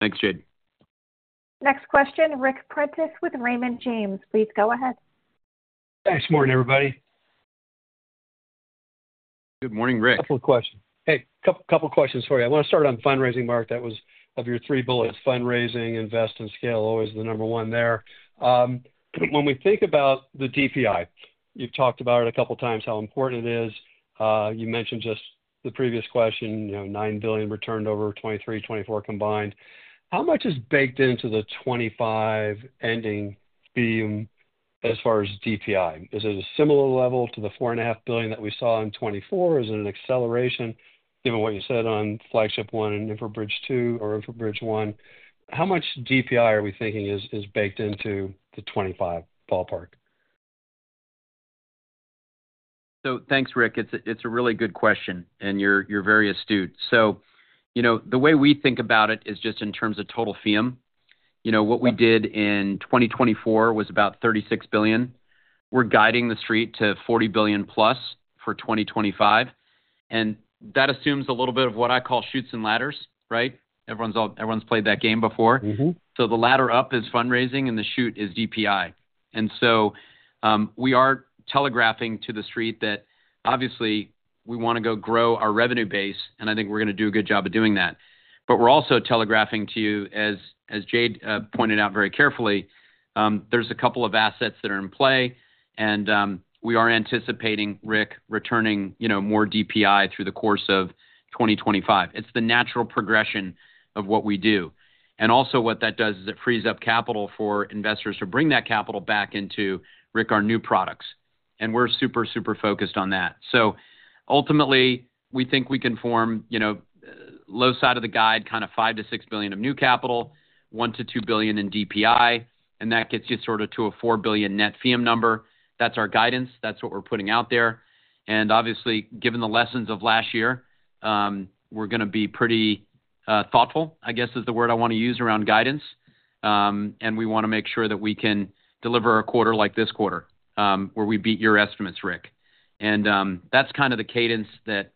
Thanks, Jade. Next question, Ric Prentiss with Raymond James. Please go ahead. Thanks. Morning, everybody. Good morning, Ric. A couple of questions. Hey, a couple of questions. Sorry. I want to start on fundraising, Marc. That was of your three bullets, fundraising, invest, and scale, always the number one there. When we think about the DPI, you've talked about it a couple of times, how important it is. You mentioned just the previous question, $9 billion returned over 2023, 2024 combined. How much is baked into the 2025 ending theme as far as DPI? Is it a similar level to the $4.5 billion that we saw in 2024? Is it an acceleration, given what you said on Flagship I and InfraBridge II or InfraBridge I? How much DPI are we thinking is baked into the 2025 ballpark? So thanks, Ric. It's a really good question, and you're very astute. So the way we think about it is just in terms of total FEEUM. What we did in 2024 was about $36 billion. We're guiding the street to $40 billion plus for 2025. And that assumes a little bit of what I call chutes and ladders, right? Everyone's played that game before. So the ladder up is fundraising, and the shoot is DPI, and so we are telegraphing to the street that, obviously, we want to go grow our revenue base, and I think we're going to do a good job of doing that, but we're also telegraphing to you, as Jade pointed out very carefully, there's a couple of assets that are in play, and we are anticipating, Ric, returning more DPI through the course of 2025. It's the natural progression of what we do, and also what that does is it frees up capital for investors to bring that capital back into, Ric, our new products, and we're super, super focused on that. So ultimately, we think we can hit the low side of the guide, kind of $5-$6 billion of new capital, $1-$2 billion in DPI, and that gets you sort of to a $4 billion net FEEUM number. That's our guidance. That's what we're putting out there, and obviously, given the lessons of last year, we're going to be pretty thoughtful. I guess is the word I want to use around guidance, and we want to make sure that we can deliver a quarter like this quarter where we beat your estimates, Ric. And that's kind of the cadence that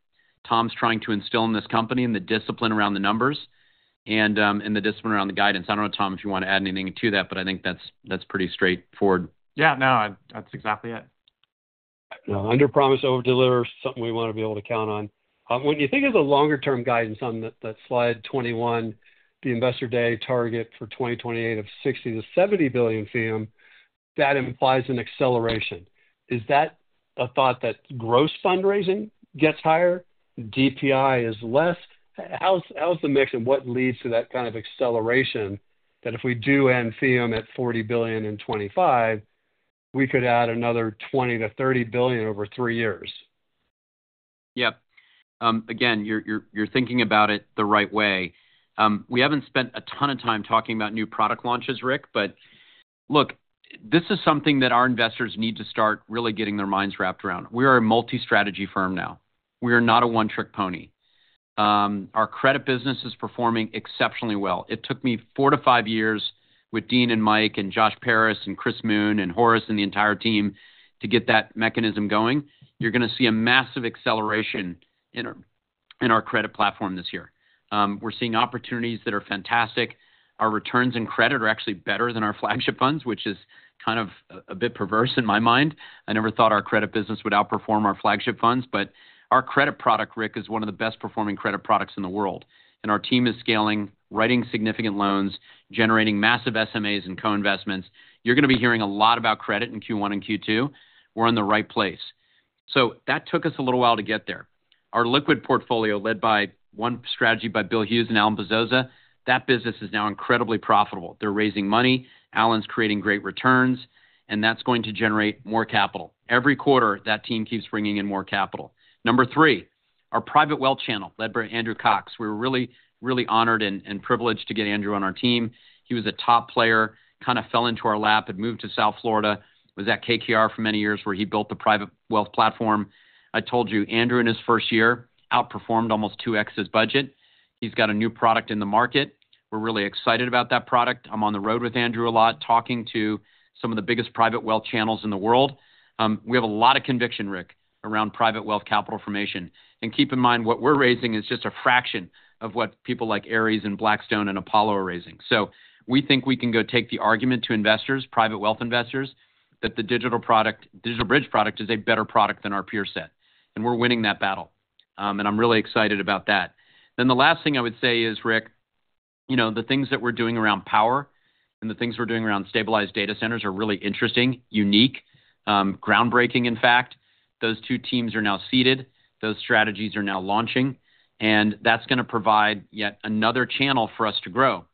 Tom's trying to instill in this company and the discipline around the numbers and the discipline around the guidance. I don't know, Tom, if you want to add anything to that, but I think that's pretty straightforward. Yeah. No, that's exactly it. Underpromise, overdeliver, something we want to be able to count on. When you think of the longer-term guidance on that slide 21, the investor day target for 2028 of $60-$70 billion FEEUM, that implies an acceleration. Is that a thought that gross fundraising gets higher, DPI is less? How's the mix and what leads to that kind of acceleration that if we do end FEEUM at $40 billion in 2025, we could add another $20-$30 billion over three years? Yep. Again, you're thinking about it the right way. We haven't spent a ton of time talking about new product launches, Ric, but look, this is something that our investors need to start really getting their minds wrapped around. We are a multi-strategy firm now. We are not a one-trick pony. Our credit business is performing exceptionally well. It took me four to five years with Dean and Mike and Josh Parrish and Chris Moon and Horace and the entire team to get that mechanism going. You're going to see a massive acceleration in our credit platform this year. We're seeing opportunities that are fantastic. Our returns in credit are actually better than our flagship funds, which is kind of a bit perverse in my mind. I never thought our credit business would outperform our flagship funds, but our credit product, Ric, is one of the best-performing credit products in the world. And our team is scaling, writing significant loans, generating massive SMAs and co-investments. You're going to be hearing a lot about credit in Q1 and Q2. We're in the right place. So that took us a little while to get there. Our liquid portfolio led by one strategy by Bill Hughes and Alan Bezoza, that business is now incredibly profitable. They're raising money. Alan's creating great returns, and that's going to generate more capital. Every quarter, that team keeps bringing in more capital. Number three, our private wealth channel led by Andrew Cox. We were really, really honored and privileged to get Andrew on our team. He was a top player, kind of fell into our lap, had moved to South Florida, was at KKR for many years where he built the private wealth platform. I told you, Andrew, in his first year, outperformed almost two X's budget. He's got a new product in the market. We're really excited about that product. I'm on the road with Andrew a lot, talking to some of the biggest private wealth channels in the world. We have a lot of conviction, Ric, around private wealth capital formation. And keep in mind, what we're raising is just a fraction of what people like Ares and Blackstone and Apollo are raising. So we think we can go take the argument to investors, private wealth investors, that the DigitalBridge product is a better product than our peer set. And we're winning that battle. And I'm really excited about that. Then the last thing I would say is, Ric, the things that we're doing around power and the things we're doing around stabilized data centers are really interesting, unique, groundbreaking, in fact. Those two teams are now seeded. Those strategies are now launching. And that's going to provide yet another channel for us to grow.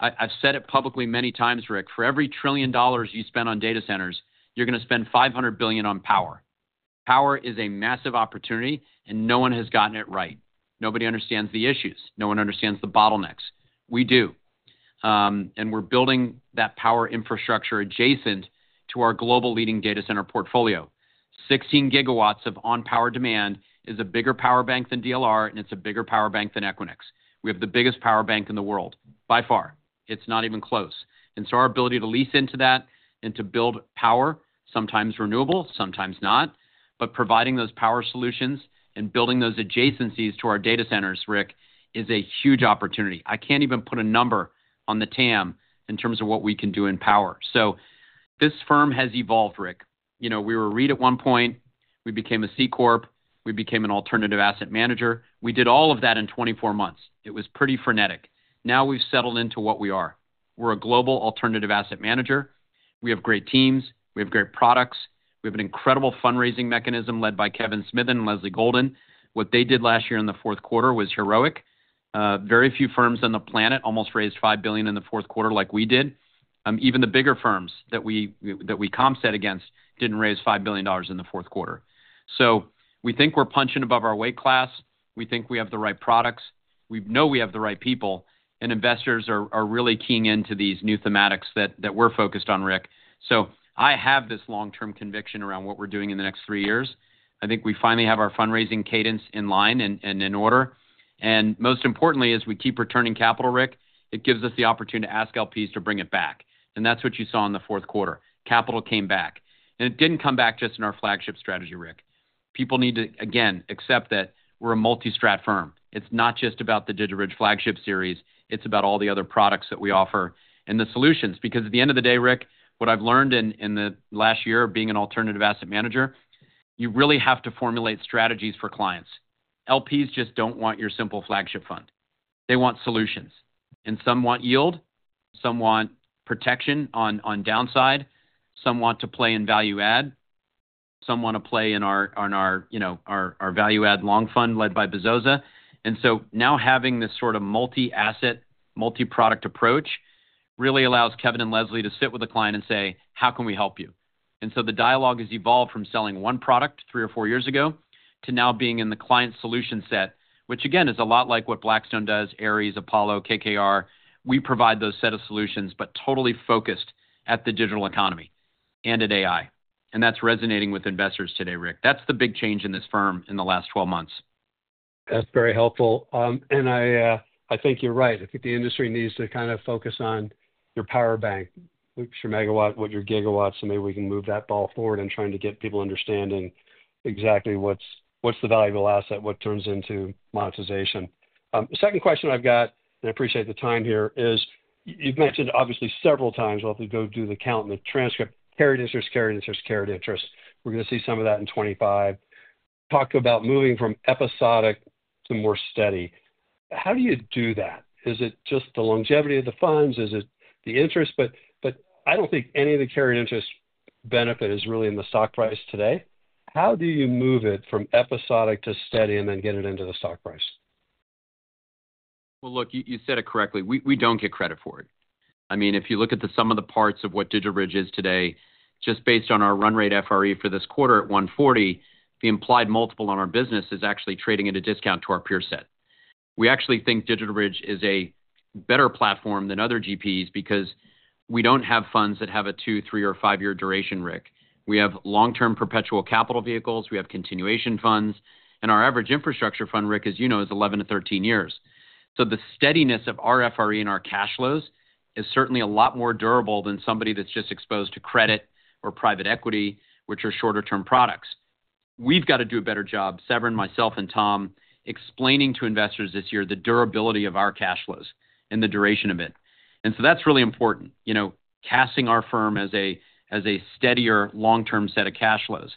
I've said it publicly many times, Ric, for every $1 trillion you spend on data centers, you're going to spend $500 billion on power. Power is a massive opportunity, and no one has gotten it right. Nobody understands the issues. No one understands the bottlenecks. We do. And we're building that power infrastructure adjacent to our global leading data center portfolio. 16 GW of on-power demand is a bigger power bank than DLR, and it's a bigger power bank than Equinix. We have the biggest power bank in the world, by far. It's not even close. And so our ability to lease into that and to build power, sometimes renewable, sometimes not, but providing those power solutions and building those adjacencies to our data centers, Ric, is a huge opportunity. I can't even put a number on the TAM in terms of what we can do in power. So this firm has evolved, Ric. We were a REIT at one point. We became a C Corp. We became an alternative asset manager. We did all of that in 24 months. It was pretty frenetic. Now we've settled into what we are. We're a global alternative asset manager. We have great teams. We have great products. We have an incredible fundraising mechanism led by Kevin Smithen and Leslie Golden. What they did last year in the fourth quarter was heroic. Very few firms on the planet almost raised $5 billion in the fourth quarter like we did. Even the bigger firms that we comp set against didn't raise $5 billion in the fourth quarter, so we think we're punching above our weight class. We think we have the right products. We know we have the right people, and investors are really keying into these new thematics that we're focused on, Ric, so I have this long-term conviction around what we're doing in the next three years. I think we finally have our fundraising cadence in line and in order, and most importantly, as we keep returning capital, Ric, it gives us the opportunity to ask LPs to bring it back. And that's what you saw in the fourth quarter. Capital came back, and it didn't come back just in our flagship strategy, Ric. People need to, again, accept that we're a multi-strat firm. It's not just about the DigitalBridge Flagship Series. It's about all the other products that we offer and the solutions. Because at the end of the day, Ric, what I've learned in the last year of being an alternative asset manager, you really have to formulate strategies for clients. LPs just don't want your simple flagship fund. They want solutions, and some want yield. Some want protection on downside. Some want to play in value-add. Some want to play in our value-add long fund led by Bezoza. And so now having this sort of multi-asset, multi-product approach really allows Kevin and Leslie to sit with a client and say, "How can we help you?" And so the dialogue has evolved from selling one product three or four years ago to now being in the client solution set, which, again, is a lot like what Blackstone does, Ares, Apollo, KKR. We provide those set of solutions, but totally focused at the digital economy and at AI. And that's resonating with investors today, Ric. That's very helpful. And I think you're right. I think the industry needs to kind of focus on your power bank, which your megawatt, what your gigawatts, and maybe we can move that ball forward in trying to get people understanding exactly what's the valuable asset, what turns into monetization. Second question I've got, and I appreciate the time here, is you've mentioned obviously several times. Well, if we go do the count and the transcript, carried interest, carried interest, carried interest. We're going to see some of that in 2025. Talk about moving from episodic to more steady. How do you do that? Is it just the longevity of the funds? Is it the interest? But I don't think any of the carried interest benefit is really in the stock price today. How do you move it from episodic to steady and then get it into the stock price? Well, look, you said it correctly. We don't get credit for it. I mean, if you look at the sum of the parts of what DigitalBridge is today, just based on our run rate FRE for this quarter at $140, the implied multiple on our business is actually trading at a discount to our peer set. We actually think DigitalBridge is a better platform than other GPs because we don't have funds that have a two, three, or five-year duration, Ric. We have long-term perpetual capital vehicles. We have continuation funds. And our average infrastructure fund, Ric, as you know, is 11 to 13 years. So the steadiness of our FRE and our cash flows is certainly a lot more durable than somebody that's just exposed to credit or private equity, which are shorter-term products. We've got to do a better job, Severin, myself, and Tom, explaining to investors this year the durability of our cash flows and the duration of it, and so that's really important, casting our firm as a steadier long-term set of cash flows.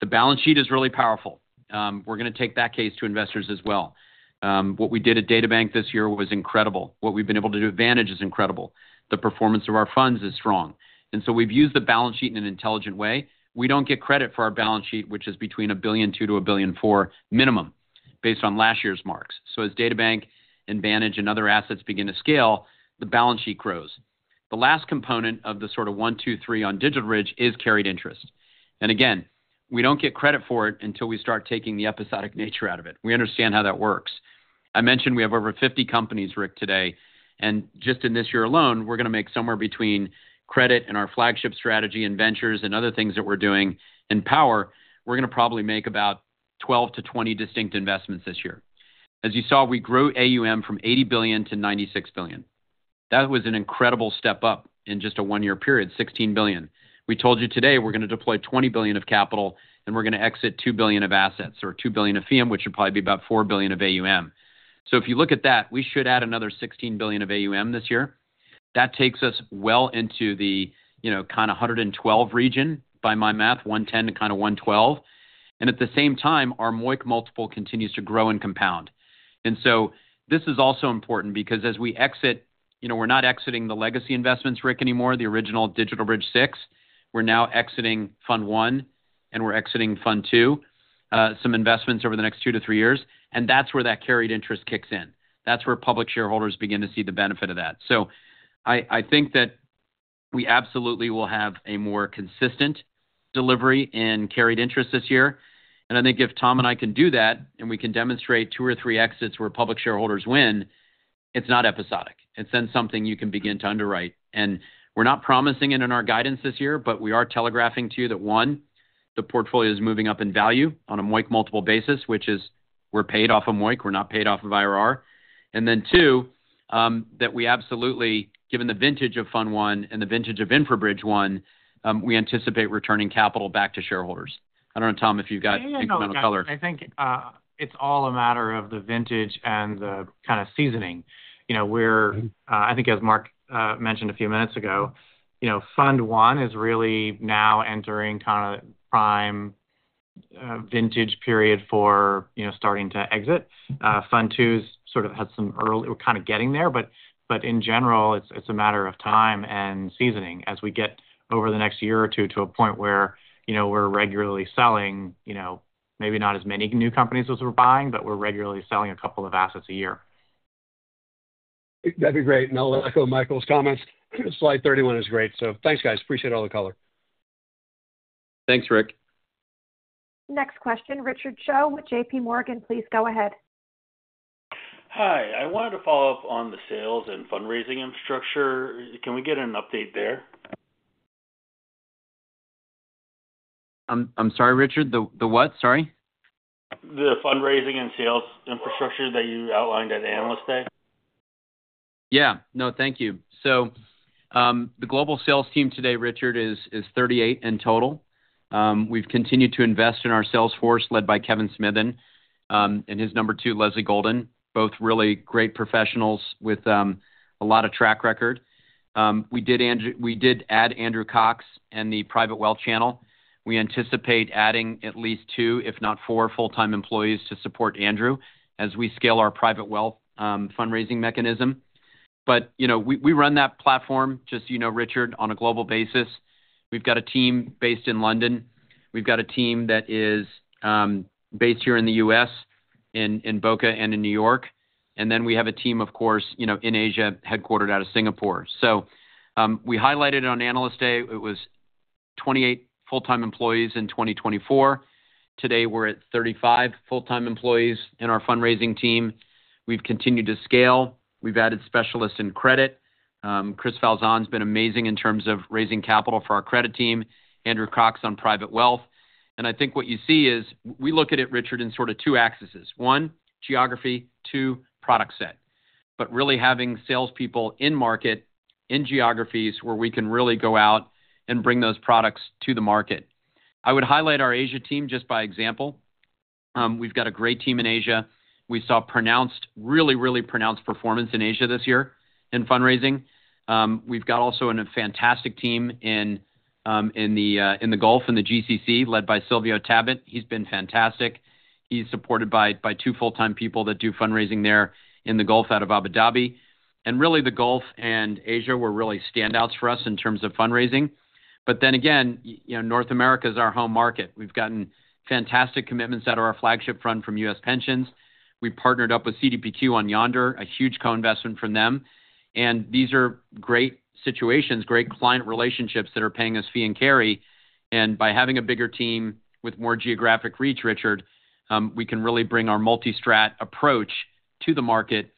The balance sheet is really powerful. We're going to take that case to investors as well. What we did at DataBank this year was incredible. What we've been able to do at Vantage is incredible. The performance of our funds is strong, and so we've used the balance sheet in an intelligent way. We don't get credit for our balance sheet, which is between $1.2 billion-$1.4 billion minimum based on last year's marks, so as DataBank and Vantage and other assets begin to scale, the balance sheet grows. The last component of the sort of one, two, three on DigitalBridge is carried interest. Again, we don't get credit for it until we start taking the episodic nature out of it. We understand how that works. I mentioned we have over 50 companies, Ric, today. Just in this year alone, we're going to make somewhere between credit and our flagship strategy and ventures and other things that we're doing and power. We're going to probably make about 12-20 distinct investments this year. As you saw, we grew AUM from $80 billion to $96 billion. That was an incredible step up in just a one-year period, $16 billion. We told you today we're going to deploy $20 billion of capital, and we're going to exit $2 billion of assets or $2 billion of FEEUM, which would probably be about $4 billion of AUM. If you look at that, we should add another $16 billion of AUM this year. That takes us well into the kind of $112 region by my math, $110-$112. And at the same time, our MOIC multiple continues to grow and compound. And so this is also important because as we exit, we're not exiting the legacy investments, Ric, anymore, the original DigitalBridge 6. We're now exiting Fund I, and we're exiting Fund II, some investments over the next two to three years. And that's where that carried interest kicks in. That's where public shareholders begin to see the benefit of that. So I think that we absolutely will have a more consistent delivery in carried interest this year. And I think if Tom and I can do that and we can demonstrate two or three exits where public shareholders win, it's not episodic. It's then something you can begin to underwrite. And we're not promising it in our guidance this year, but we are telegraphing to you that, one, the portfolio is moving up in value on a MOIC multiple basis, which is we're paid off of MOIC. We're not paid off of IRR. And then two, that we absolutely, given the vintage of Fund I and the vintage of InfraBridge I, we anticipate returning capital back to shareholders. I don't know, Tom, if you've got any comment on the color. I think it's all a matter of the vintage and the kind of seasoning. I think, as Marc mentioned a few minutes ago, Fund I is really now entering kind of prime vintage period for starting to exit. Fund II sort of had some early. We're kind of getting there, but in general, it's a matter of time and seasoning as we get over the next year or two to a point where we're regularly selling, maybe not as many new companies as we're buying, but we're regularly selling a couple of assets a year. That'd be great. And I'll echo Michael's comments. Slide 31 is great. So thanks, guys. Appreciate all the color. Thanks, Ric. Next question, Richard Choe with JPMorgan. Please go ahead. Hi. I wanted to follow up on the sales and fundraising infrastructure. Can we get an update there? I'm sorry, Richard. The what? Sorry. The fundraising and sales infrastructure that you outlined at Analyst Day. Yeah. No, thank you. So the global sales team today, Richard, is 38 in total. We've continued to invest in our sales force led by Kevin Smithen and his number two, Leslie Golden, both really great professionals with a lot of track record. We did add Andrew Cox and the private wealth channel. We anticipate adding at least two, if not four, full-time employees to support Andrew as we scale our private wealth fundraising mechanism, but we run that platform, just so you know, Richard, on a global basis. We've got a team based in London. We've got a team that is based here in the U.S., in Boca and in New York. And then we have a team, of course, in Asia headquartered out of Singapore. We highlighted it on Analyst Day. It was 28 full-time employees in 2024. Today, we're at 35 full-time employees in our fundraising team. We've continued to scale. We've added specialists in credit. Chris Falzon has been amazing in terms of raising capital for our credit team. Andrew Cox on private wealth. I think what you see is we look at it, Richard, in sort of two axes. One, geography. Two, product set. But really having salespeople in market, in geographies where we can really go out and bring those products to the market. I would highlight our Asia team just by example. We've got a great team in Asia. We saw pronounced, really, really pronounced performance in Asia this year in fundraising. We've got also a fantastic team in the Gulf and the GCC led by Silvio Tabet. He's been fantastic. He's supported by two full-time people that do fundraising there in the Gulf out of Abu Dhabi. Really, the Gulf and Asia were really standouts for us in terms of fundraising. But then again, North America is our home market. We've gotten fantastic commitments out of our flagship fund from U.S. Pensions. We partnered up with CDPQ on Yondr, a huge co-investment from them. And these are great situations, great client relationships that are paying us fee and carry. And by having a bigger team with more geographic reach, Richard, we can really bring our multi-strat approach to the market,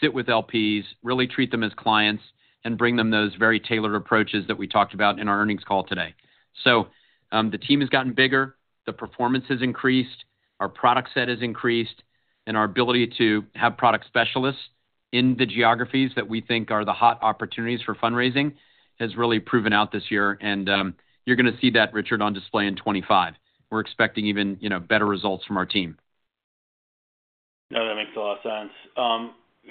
sit with LPs, really treat them as clients, and bring them those very tailored approaches that we talked about in our earnings call today. So the team has gotten bigger. The performance has increased. Our product set has increased. And our ability to have product specialists in the geographies that we think are the hot opportunities for fundraising has really proven out this year. And you're going to see that, Richard, on display in 2025. We're expecting even better results from our team. No, that makes a lot of sense.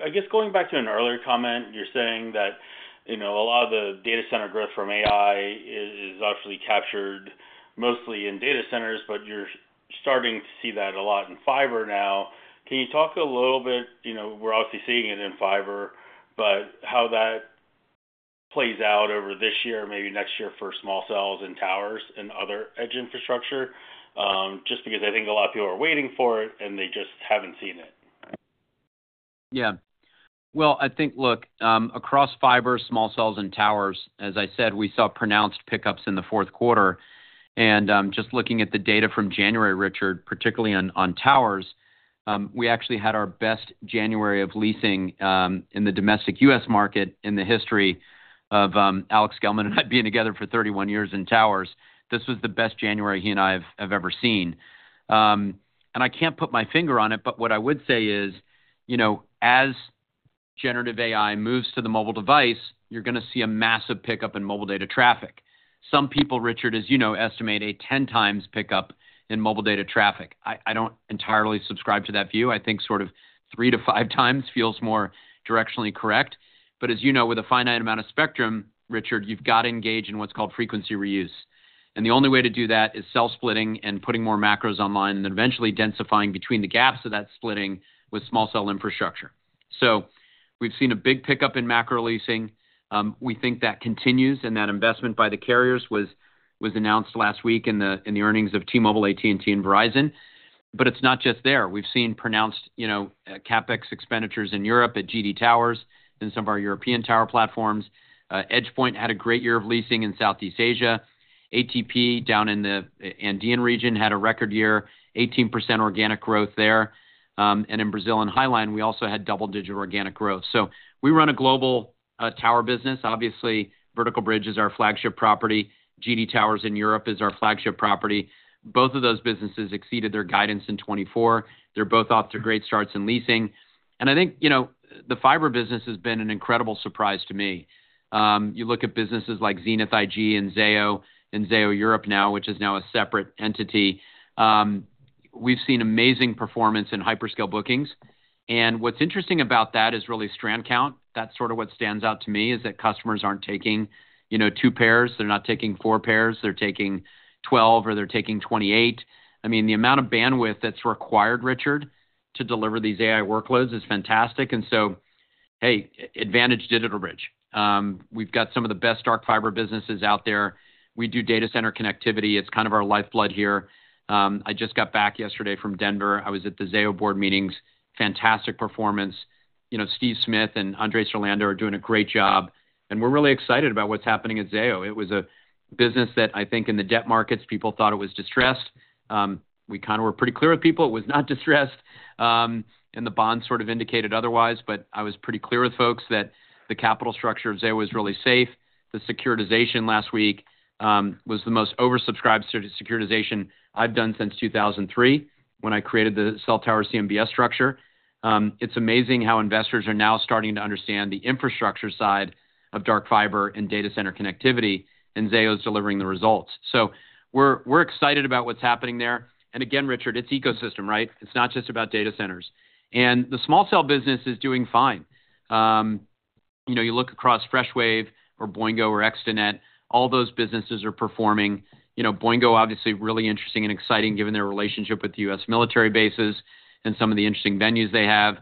I guess, going back to an earlier comment, you're saying that a lot of the data center growth from AI is obviously captured mostly in data centers, but you're starting to see that a lot in fiber now. Can you talk a little bit? We're obviously seeing it in fiber, but how that plays out over this year, maybe next year, for small cells and towers and other edge infrastructure, just because I think a lot of people are waiting for it and they just haven't seen it. Yeah. Well, I think, look, across fiber, small cells, and towers, as I said, we saw pronounced pickups in the fourth quarter. And just looking at the data from January, Richard, particularly on towers, we actually had our best January of leasing in the domestic U.S. market in the history of Alex Gellman and I being together for 31 years in towers. This was the best January he and I have ever seen. And I can't put my finger on it, but what I would say is as generative AI moves to the mobile device, you're going to see a massive pickup in mobile data traffic. Some people, Richard, as you know, estimate a 10-times pickup in mobile data traffic. I don't entirely subscribe to that view. I think sort of three to five times feels more directionally correct. But as you know, with a finite amount of spectrum, Richard, you've got to engage in what's called frequency reuse. And the only way to do that is cell splitting and putting more macros online and eventually densifying between the gaps of that splitting with small cell infrastructure. So we've seen a big pickup in macro leasing. We think that continues and that investment by the carriers was announced last week in the earnings of T-Mobile, AT&T, and Verizon. But it's not just there. We've seen pronounced CapEx expenditures in Europe at GD Towers and some of our European tower platforms. EdgePoint had a great year of leasing in Southeast Asia. ATP down in the Andean region had a record year, 18% organic growth there. And in Brazil and Highline, we also had double-digit organic growth. So we run a global tower business. Obviously, Vertical Bridge is our flagship property. GD Towers in Europe is our flagship property. Both of those businesses exceeded their guidance in 2024. They're both off to great starts in leasing. I think the fiber business has been an incredible surprise to me. You look at businesses like XenithIG and Zayo and Zayo Europe now, which is now a separate entity. We've seen amazing performance in hyperscale bookings. What's interesting about that is really strand count. That's sort of what stands out to me is that customers aren't taking two pairs. They're not taking four pairs. They're taking 12 or they're taking 28. I mean, the amount of bandwidth that's required, Richard, to deliver these AI workloads is fantastic. So, hey, advantage DigitalBridge. We've got some of the best dark fiber businesses out there. We do data center connectivity. It's kind of our lifeblood here. I just got back yesterday from Denver. I was at the Zayo board meetings. Fantastic performance. Steve Smith and Andres Irlando are doing a great job. We're really excited about what's happening at Zayo. It was a business that I think in the debt markets, people thought it was distressed. We kind of were pretty clear with people. It was not distressed. The bonds sort of indicated otherwise. I was pretty clear with folks that the capital structure of Zayo was really safe. The securitization last week was the most oversubscribed securitization I've done since 2003 when I created the cell tower CMBS structure. It's amazing how investors are now starting to understand the infrastructure side of dark fiber and data center connectivity. Zayo is delivering the results. We're excited about what's happening there. Again, Richard, it's ecosystem, right? It's not just about data centers. The small cell business is doing fine. You look across Freshwave or Boingo or Extenet, all those businesses are performing. Boingo, obviously, really interesting and exciting given their relationship with the U.S. military bases and some of the interesting venues they have.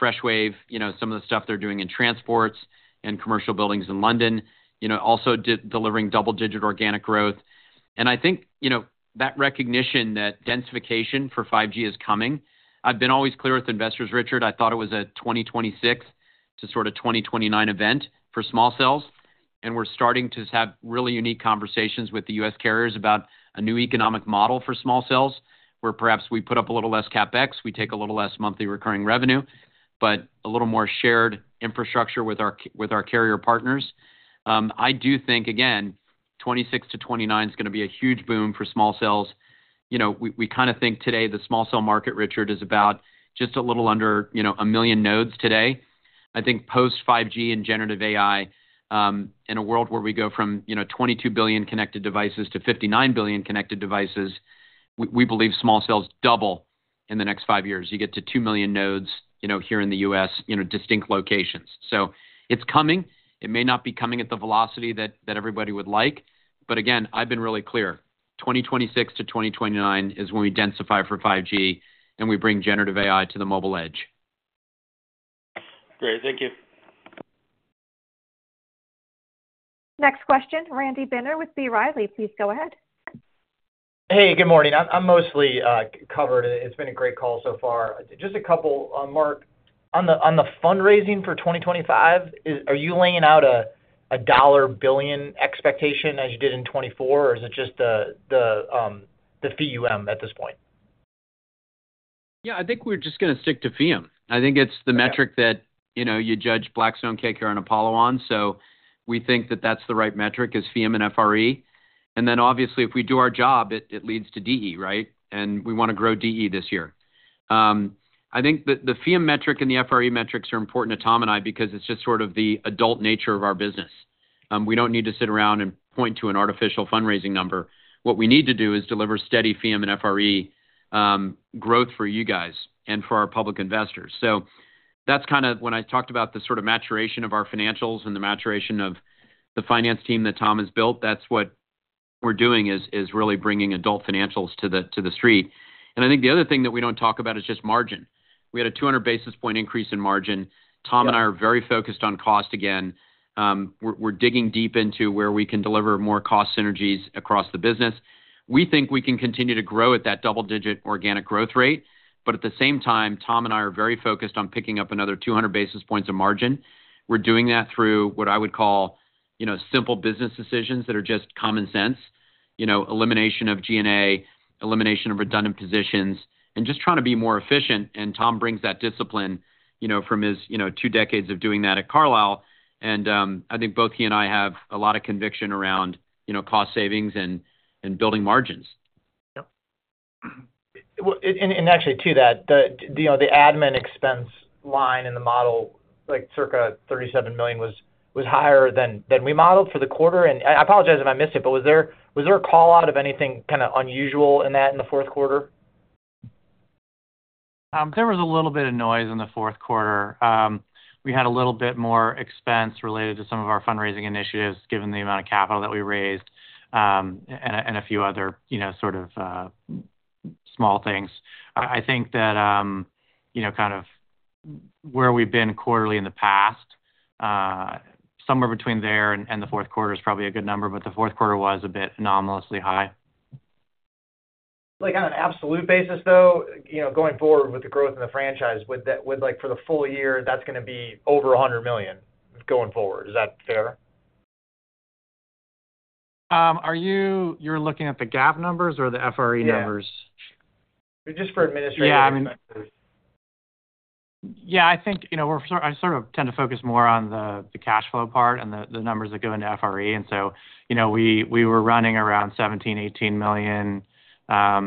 Freshwave, some of the stuff they're doing in transports and commercial buildings in London, also delivering double-digit organic growth, and I think that recognition that densification for 5G is coming. I've been always clear with investors, Richard. I thought it was a 2026 to sort of 2029 event for small cells, and we're starting to have really unique conversations with the U.S. carriers about a new economic model for small cells where perhaps we put up a little less CapEx. We take a little less monthly recurring revenue, but a little more shared infrastructure with our carrier partners. I do think, again, 2026 to 2029 is going to be a huge boom for small cells. We kind of think today the small cell market, Richard, is about just a little under a million nodes today. I think post-5G and generative AI, in a world where we go from 22 billion connected devices to 59 billion connected devices, we believe small cells double in the next five years. You get to 2 million nodes here in the U.S., distinct locations. So it's coming. It may not be coming at the velocity that everybody would like. But again, I've been really clear. 2026 to 2029 is when we densify for 5G and we bring generative AI to the mobile edge. Great. Thank you. Next question, Randy Binner with B. Riley. Please go ahead. Hey, good morning. I'm mostly covered. It's been a great call so far. Just a couple. Marc, on the fundraising for 2025, are you laying out a billion-dollar expectation as you did in 2024, or is it just the fee at this point? Yeah, I think we're just going to stick to fee. I think it's the metric that you judge Blackstone, KKR, and Apollo on. So we think that that's the right metric is fee and FRE. And then obviously, if we do our job, it leads to DPI, right? And we want to grow DPI this year. I think the fee metric and the FRE metrics are important to Tom and I because it's just sort of the adult nature of our business. We don't need to sit around and point to an artificial fundraising number. What we need to do is deliver steady fee and FRE growth for you guys and for our public investors. So that's kind of when I talked about the sort of maturation of our financials and the maturation of the finance team that Tom has built. That's what we're doing is really bringing adult financials to the street. And I think the other thing that we don't talk about is just margin. We had a 200 basis point increase in margin. Tom and I are very focused on cost again. We're digging deep into where we can deliver more cost synergies across the business. We think we can continue to grow at that double-digit organic growth rate. But at the same time, Tom and I are very focused on picking up another 200 basis points of margin. We're doing that through what I would call simple business decisions that are just common sense, elimination of G&A, elimination of redundant positions, and just trying to be more efficient. Tom brings that discipline from his two decades of doing that at Carlyle. I think both he and I have a lot of conviction around cost savings and building margins. Yep. Actually, to that, the admin expense line in the model, like circa $37 million, was higher than we modeled for the quarter. I apologize if I missed it, but was there a call out of anything kind of unusual in that in the fourth quarter? There was a little bit of noise in the fourth quarter. We had a little bit more expense related to some of our fundraising initiatives given the amount of capital that we raised and a few other sort of small things. I think that kind of where we've been quarterly in the past, somewhere between there and the fourth quarter is probably a good number, but the fourth quarter was a bit anomalously high. On an absolute basis, though, going forward with the growth in the franchise, for the full year, that's going to be over $100 million going forward. Is that fair? Are you looking at the GAAP numbers or the FRE numbers? Yeah. Just for administrative expenses. Yeah. I mean, yeah, I think I sort of tend to focus more on the cash flow part and the numbers that go into FRE. And so we were running around $17-$18 million,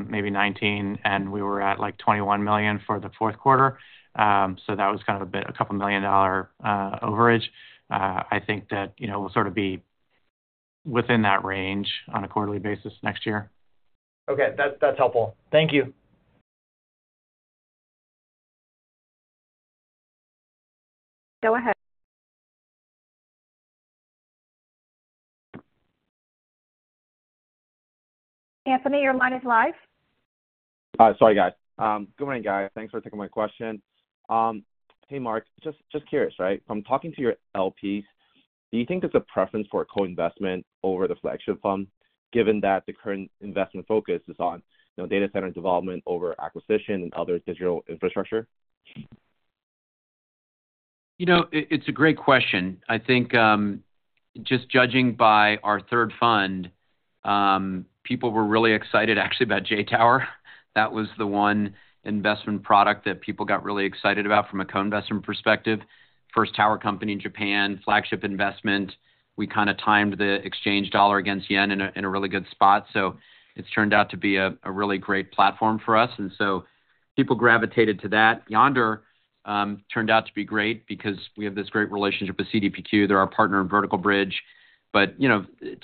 maybe $19 million, and we were at like $21 million for the fourth quarter. So that was kind of a $2 million overage. I think that we'll sort of be within that range on a quarterly basis next year. Okay. That's helpful. Thank you. Go ahead. Anthony, your line is live. Sorry, guys. Good morning, guys. Thanks for taking my question. Hey, Marc, just curious, right? From talking to your LPs, do you think there's a preference for co-investment over the flagship fund, given that the current investment focus is on data center development over acquisition and other digital infrastructure? It's a great question. I think just judging by our third fund, people were really excited actually about JTOWER. That was the one investment product that people got really excited about from a co-investment perspective. First tower company in Japan, flagship investment. We kind of timed the exchange dollar against yen in a really good spot. So it's turned out to be a really great platform for us. And so people gravitated to that. Yondr turned out to be great because we have this great relationship with CDPQ. They're our partner in Vertical Bridge. But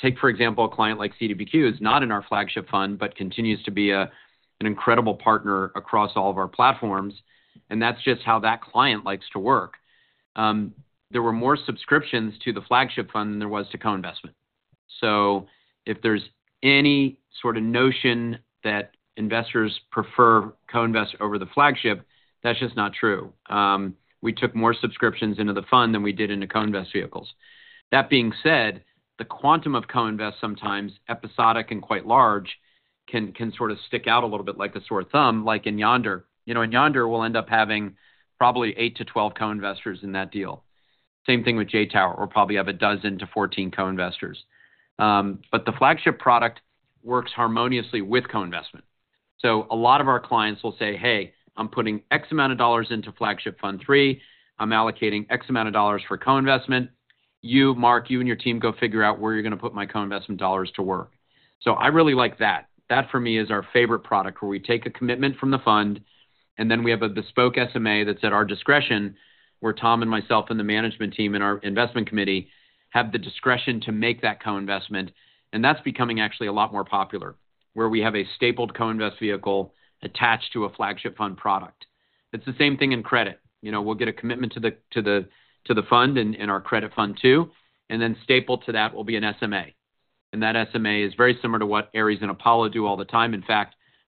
take, for example, a client like CDPQ is not in our flagship fund, but continues to be an incredible partner across all of our platforms. And that's just how that client likes to work. There were more subscriptions to the flagship fund than there was to co-investment. So if there's any sort of notion that investors prefer co-invest over the flagship, that's just not true. We took more subscriptions into the fund than we did into co-invest vehicles. That being said, the quantum of co-invest sometimes, episodic and quite large, can sort of stick out a little bit like a sore thumb, like in Yondr. In Yondr, we'll end up having probably eight to 12 co-investors in that deal. Same thing with JTOWER. We'll probably have 12 to 14 co-investors. But the flagship product works harmoniously with co-investment. So a lot of our clients will say, "Hey, I'm putting X amount of dollars into flagship Fund III. I'm allocating X amount of dollars for co-investment. You, Marc, you and your team go figure out where you're going to put my co-investment dollars to work." So I really like that. That, for me, is our favorite product where we take a commitment from the fund, and then we have a bespoke SMA that's at our discretion where Tom and myself and the management team and our investment committee have the discretion to make that co-investment. And that's becoming actually a lot more popular, where we have a stapled co-invest vehicle attached to a flagship fund product. It's the same thing in credit. We'll get a commitment to the fund and our credit fund too. And then stapled to that will be an SMA. And that SMA is very similar to what Ares and Apollo do all the time.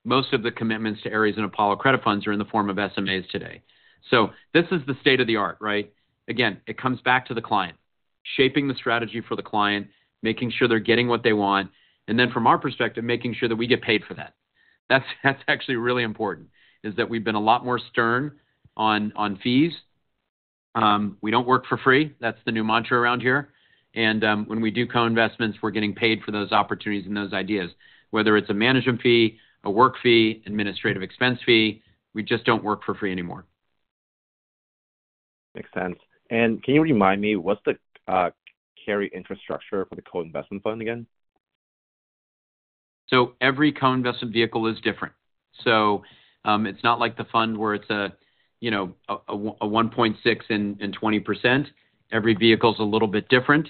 In fact, most of the commitments to Ares and Apollo credit funds are in the form of SMAs today. So this is the state of the art, right? Again, it comes back to the client, shaping the strategy for the client, making sure they're getting what they want. And then from our perspective, making sure that we get paid for that. That's actually really important, is that we've been a lot more stern on fees. We don't work for free. That's the new mantra around here. And when we do co-investments, we're getting paid for those opportunities and those ideas, whether it's a management fee, a work fee, administrative expense fee. We just don't work for free anymore. Makes sense. And can you remind me, what's the carry infrastructure for the co-investment fund again? So every co-investment vehicle is different. So it's not like the fund where it's a 1.6% and 20%. Every vehicle is a little bit different.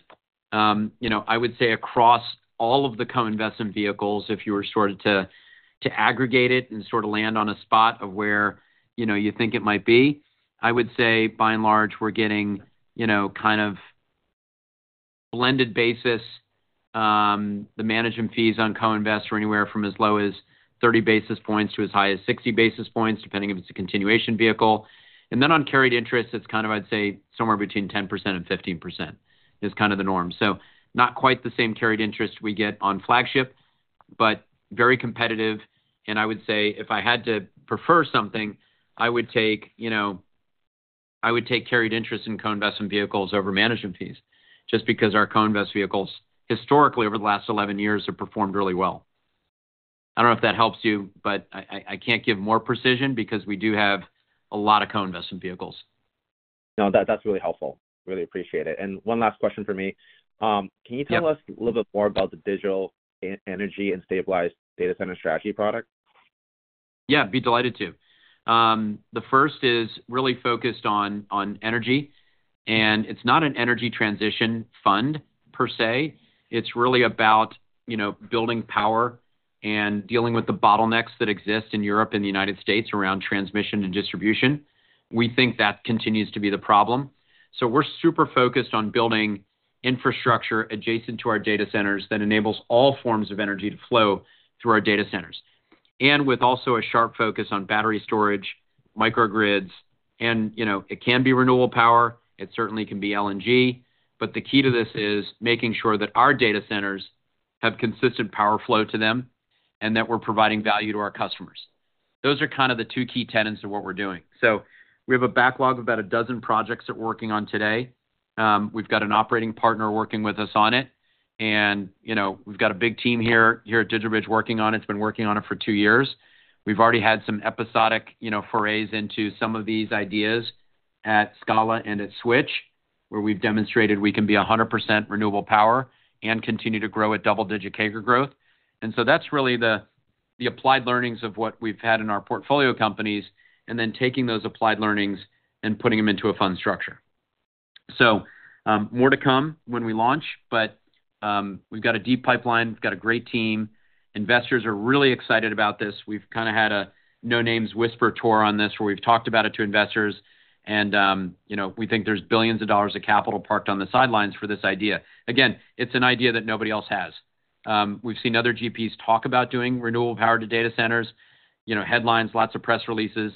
I would say across all of the co-investment vehicles, if you were sort of to aggregate it and sort of land on a spot of where you think it might be, I would say, by and large, we're getting kind of blended basis. The management fees on co-invest are anywhere from as low as 30 basis points to as high as 60 basis points, depending if it's a continuation vehicle. And then on carried interest, it's kind of, I'd say, somewhere between 10% and 15% is kind of the norm. So not quite the same carried interest we get on flagship, but very competitive. And I would say, if I had to prefer something, I would take carried interest in co-investment vehicles over management fees, just because our co-invest vehicles historically, over the last 11 years, have performed really well. I don't know if that helps you, but I can't give more precision because we do have a lot of co-investment vehicles. No, that's really helpful. Really appreciate it. And one last question for me. Can you tell us a little bit more about the digital energy and stabilized data center strategy product? Yeah, be delighted to. The first is really focused on energy. And it's not an energy transition fund per se. It's really about building power and dealing with the bottlenecks that exist in Europe and the United States around transmission and distribution. We think that continues to be the problem. So we're super focused on building infrastructure adjacent to our data centers that enables all forms of energy to flow through our data centers, and with also a sharp focus on battery storage, microgrids. And it can be renewable power. It certainly can be LNG. But the key to this is making sure that our data centers have consistent power flow to them and that we're providing value to our customers. Those are kind of the two key tenets of what we're doing. So we have a backlog of about a dozen projects that we're working on today. We've got an operating partner working with us on it. And we've got a big team here at DigitalBridge working on it. It's been working on it for two years. We've already had some episodic forays into some of these ideas at Scala and at Switch, where we've demonstrated we can be 100% renewable power and continue to grow at double-digit CAGR growth, and so that's really the applied learnings of what we've had in our portfolio companies, and then taking those applied learnings and putting them into a fund structure, so more to come when we launch, but we've got a deep pipeline. We've got a great team. Investors are really excited about this. We've kind of had a no-names whisper tour on this where we've talked about it to investors, and we think there's billions of dollars of capital parked on the sidelines for this idea. Again, it's an idea that nobody else has. We've seen other GPs talk about doing renewable power to data centers, headlines, lots of press releases.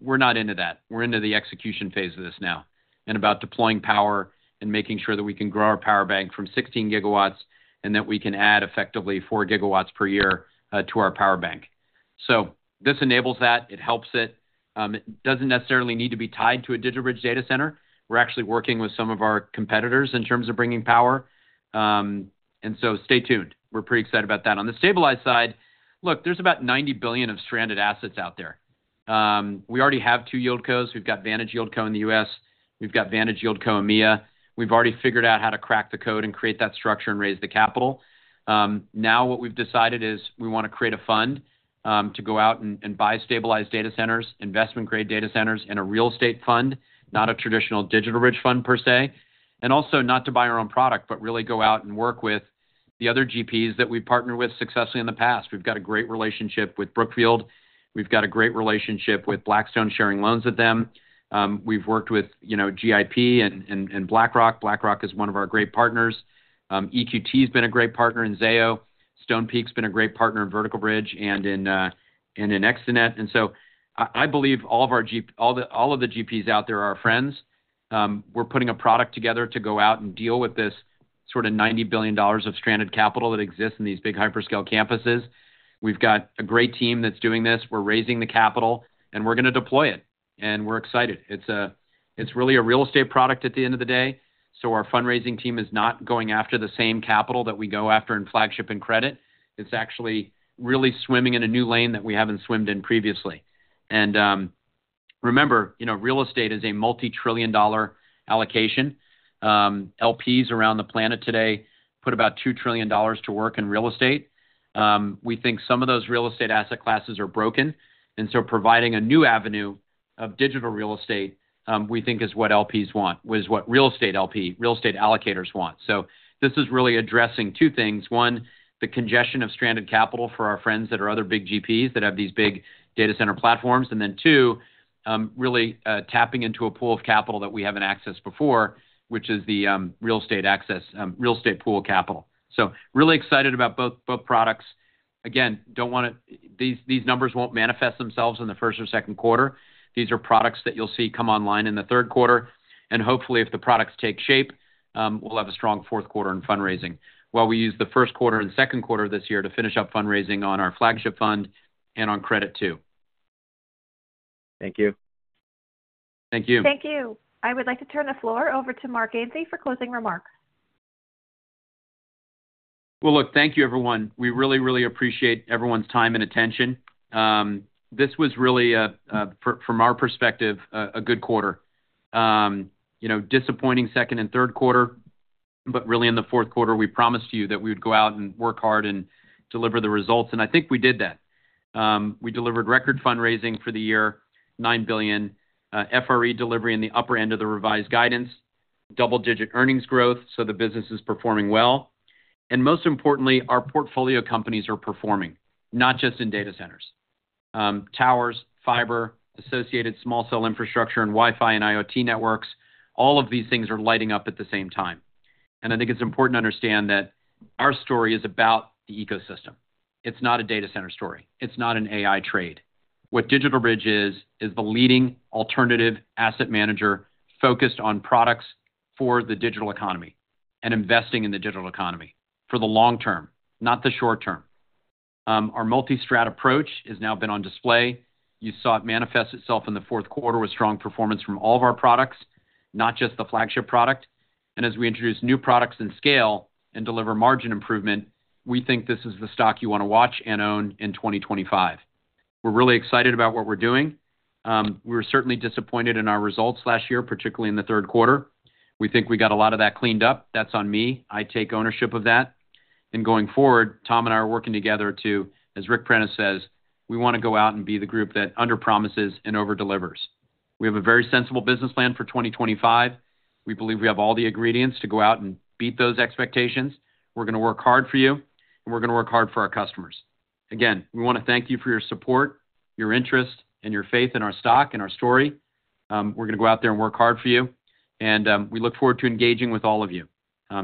We're not into that. We're into the execution phase of this now and about deploying power and making sure that we can grow our power bank from 16 GW and that we can add effectively 4 GW per year to our power bank. So this enables that. It helps it. It doesn't necessarily need to be tied to a DigitalBridge data center. We're actually working with some of our competitors in terms of bringing power. And so stay tuned. We're pretty excited about that. On the stabilized side, look, there's about $90 billion of stranded assets out there. We already have two YieldCos. We've got Vantage YieldCo in the U.S. We've got Vantage YieldCo EMEA. We've already figured out how to crack the code and create that structure and raise the capital. Now what we've decided is we want to create a fund to go out and buy stabilized data centers, investment-grade data centers and a real estate fund, not a traditional DigitalBridge fund per se, and also not to buy our own product, but really go out and work with the other GPs that we've partnered with successfully in the past. We've got a great relationship with Brookfield. We've got a great relationship with Blackstone, sharing loans with them. We've worked with GIP and BlackRock. BlackRock is one of our great partners. EQT has been a great partner in Zayo. Stonepeak's been a great partner in Vertical Bridge and in Extenet. And so I believe all of the GPs out there are our friends. We're putting a product together to go out and deal with this sort of $90 billion of stranded capital that exists in these big hyperscale campuses. We've got a great team that's doing this. We're raising the capital, and we're going to deploy it, and we're excited. It's really a real estate product at the end of the day, so our fundraising team is not going after the same capital that we go after in flagship and credit. It's actually really swimming in a new lane that we haven't swum in previously, and remember, real estate is a multi-trillion dollar allocation. LPs around the planet today put about $2 trillion to work in real estate. We think some of those real estate asset classes are broken, and so providing a new avenue of digital real estate, we think, is what LPs want, is what real estate allocators want, so this is really addressing two things. One, the congestion of stranded capital for our friends that are other big GPs that have these big data center platforms. And then two, really tapping into a pool of capital that we haven't accessed before, which is the real estate pool of capital. So really excited about both products. Again, these numbers won't manifest themselves in the first or second quarter. These are products that you'll see come online in the third quarter. And hopefully, if the products take shape, we'll have a strong fourth quarter in fundraising while we use the first quarter and second quarter this year to finish up fundraising on our flagship fund and on credit too. Thank you. Thank you. Thank you. I would like to turn the floor over to Marc Ganzi for closing remarks. Well, look, thank you, everyone. We really, really appreciate everyone's time and attention. This was really, from our perspective, a good quarter. Disappointing second and third quarter, but really in the fourth quarter, we promised you that we would go out and work hard and deliver the results. And I think we did that. We delivered record fundraising for the year, $9 billion, FRE delivery in the upper end of the revised guidance, double-digit earnings growth. So the business is performing well. And most importantly, our portfolio companies are performing, not just in data centers. Towers, fiber, associated small cell infrastructure, and Wi-Fi and IoT networks, all of these things are lighting up at the same time. And I think it's important to understand that our story is about the ecosystem. It's not a data center story. It's not an AI trade. What DigitalBridge is, is the leading alternative asset manager focused on products for the digital economy and investing in the digital economy for the long term, not the short term. Our multi-strand approach has now been on display. You saw it manifest itself in the fourth quarter with strong performance from all of our products, not just the flagship product. And as we introduce new products and scale and deliver margin improvement, we think this is the stock you want to watch and own in 2025. We're really excited about what we're doing. We were certainly disappointed in our results last year, particularly in the third quarter. We think we got a lot of that cleaned up. That's on me. I take ownership of that. And going forward, Tom and I are working together to, as Ric Prentiss says, we want to go out and be the group that underpromises and overdelivers. We have a very sensible business plan for 2025. We believe we have all the ingredients to go out and beat those expectations. We're going to work hard for you, and we're going to work hard for our customers. Again, we want to thank you for your support, your interest, and your faith in our stock and our story. We're going to go out there and work hard for you. And we look forward to engaging with all of you.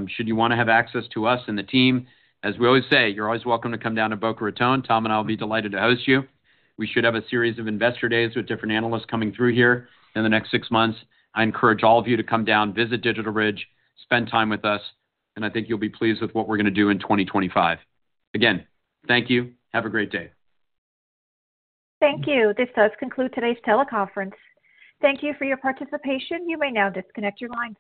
Should you want to have access to us and the team, as we always say, you're always welcome to come down to Boca Raton. Tom and I will be delighted to host you. We should have a series of investor days with different analysts coming through here in the next six months. I encourage all of you to come down, visit DigitalBridge, spend time with us, and I think you'll be pleased with what we're going to do in 2025. Again, thank you. Have a great day. Thank you. This does conclude today's teleconference. Thank you for your participation. You may now disconnect your lines.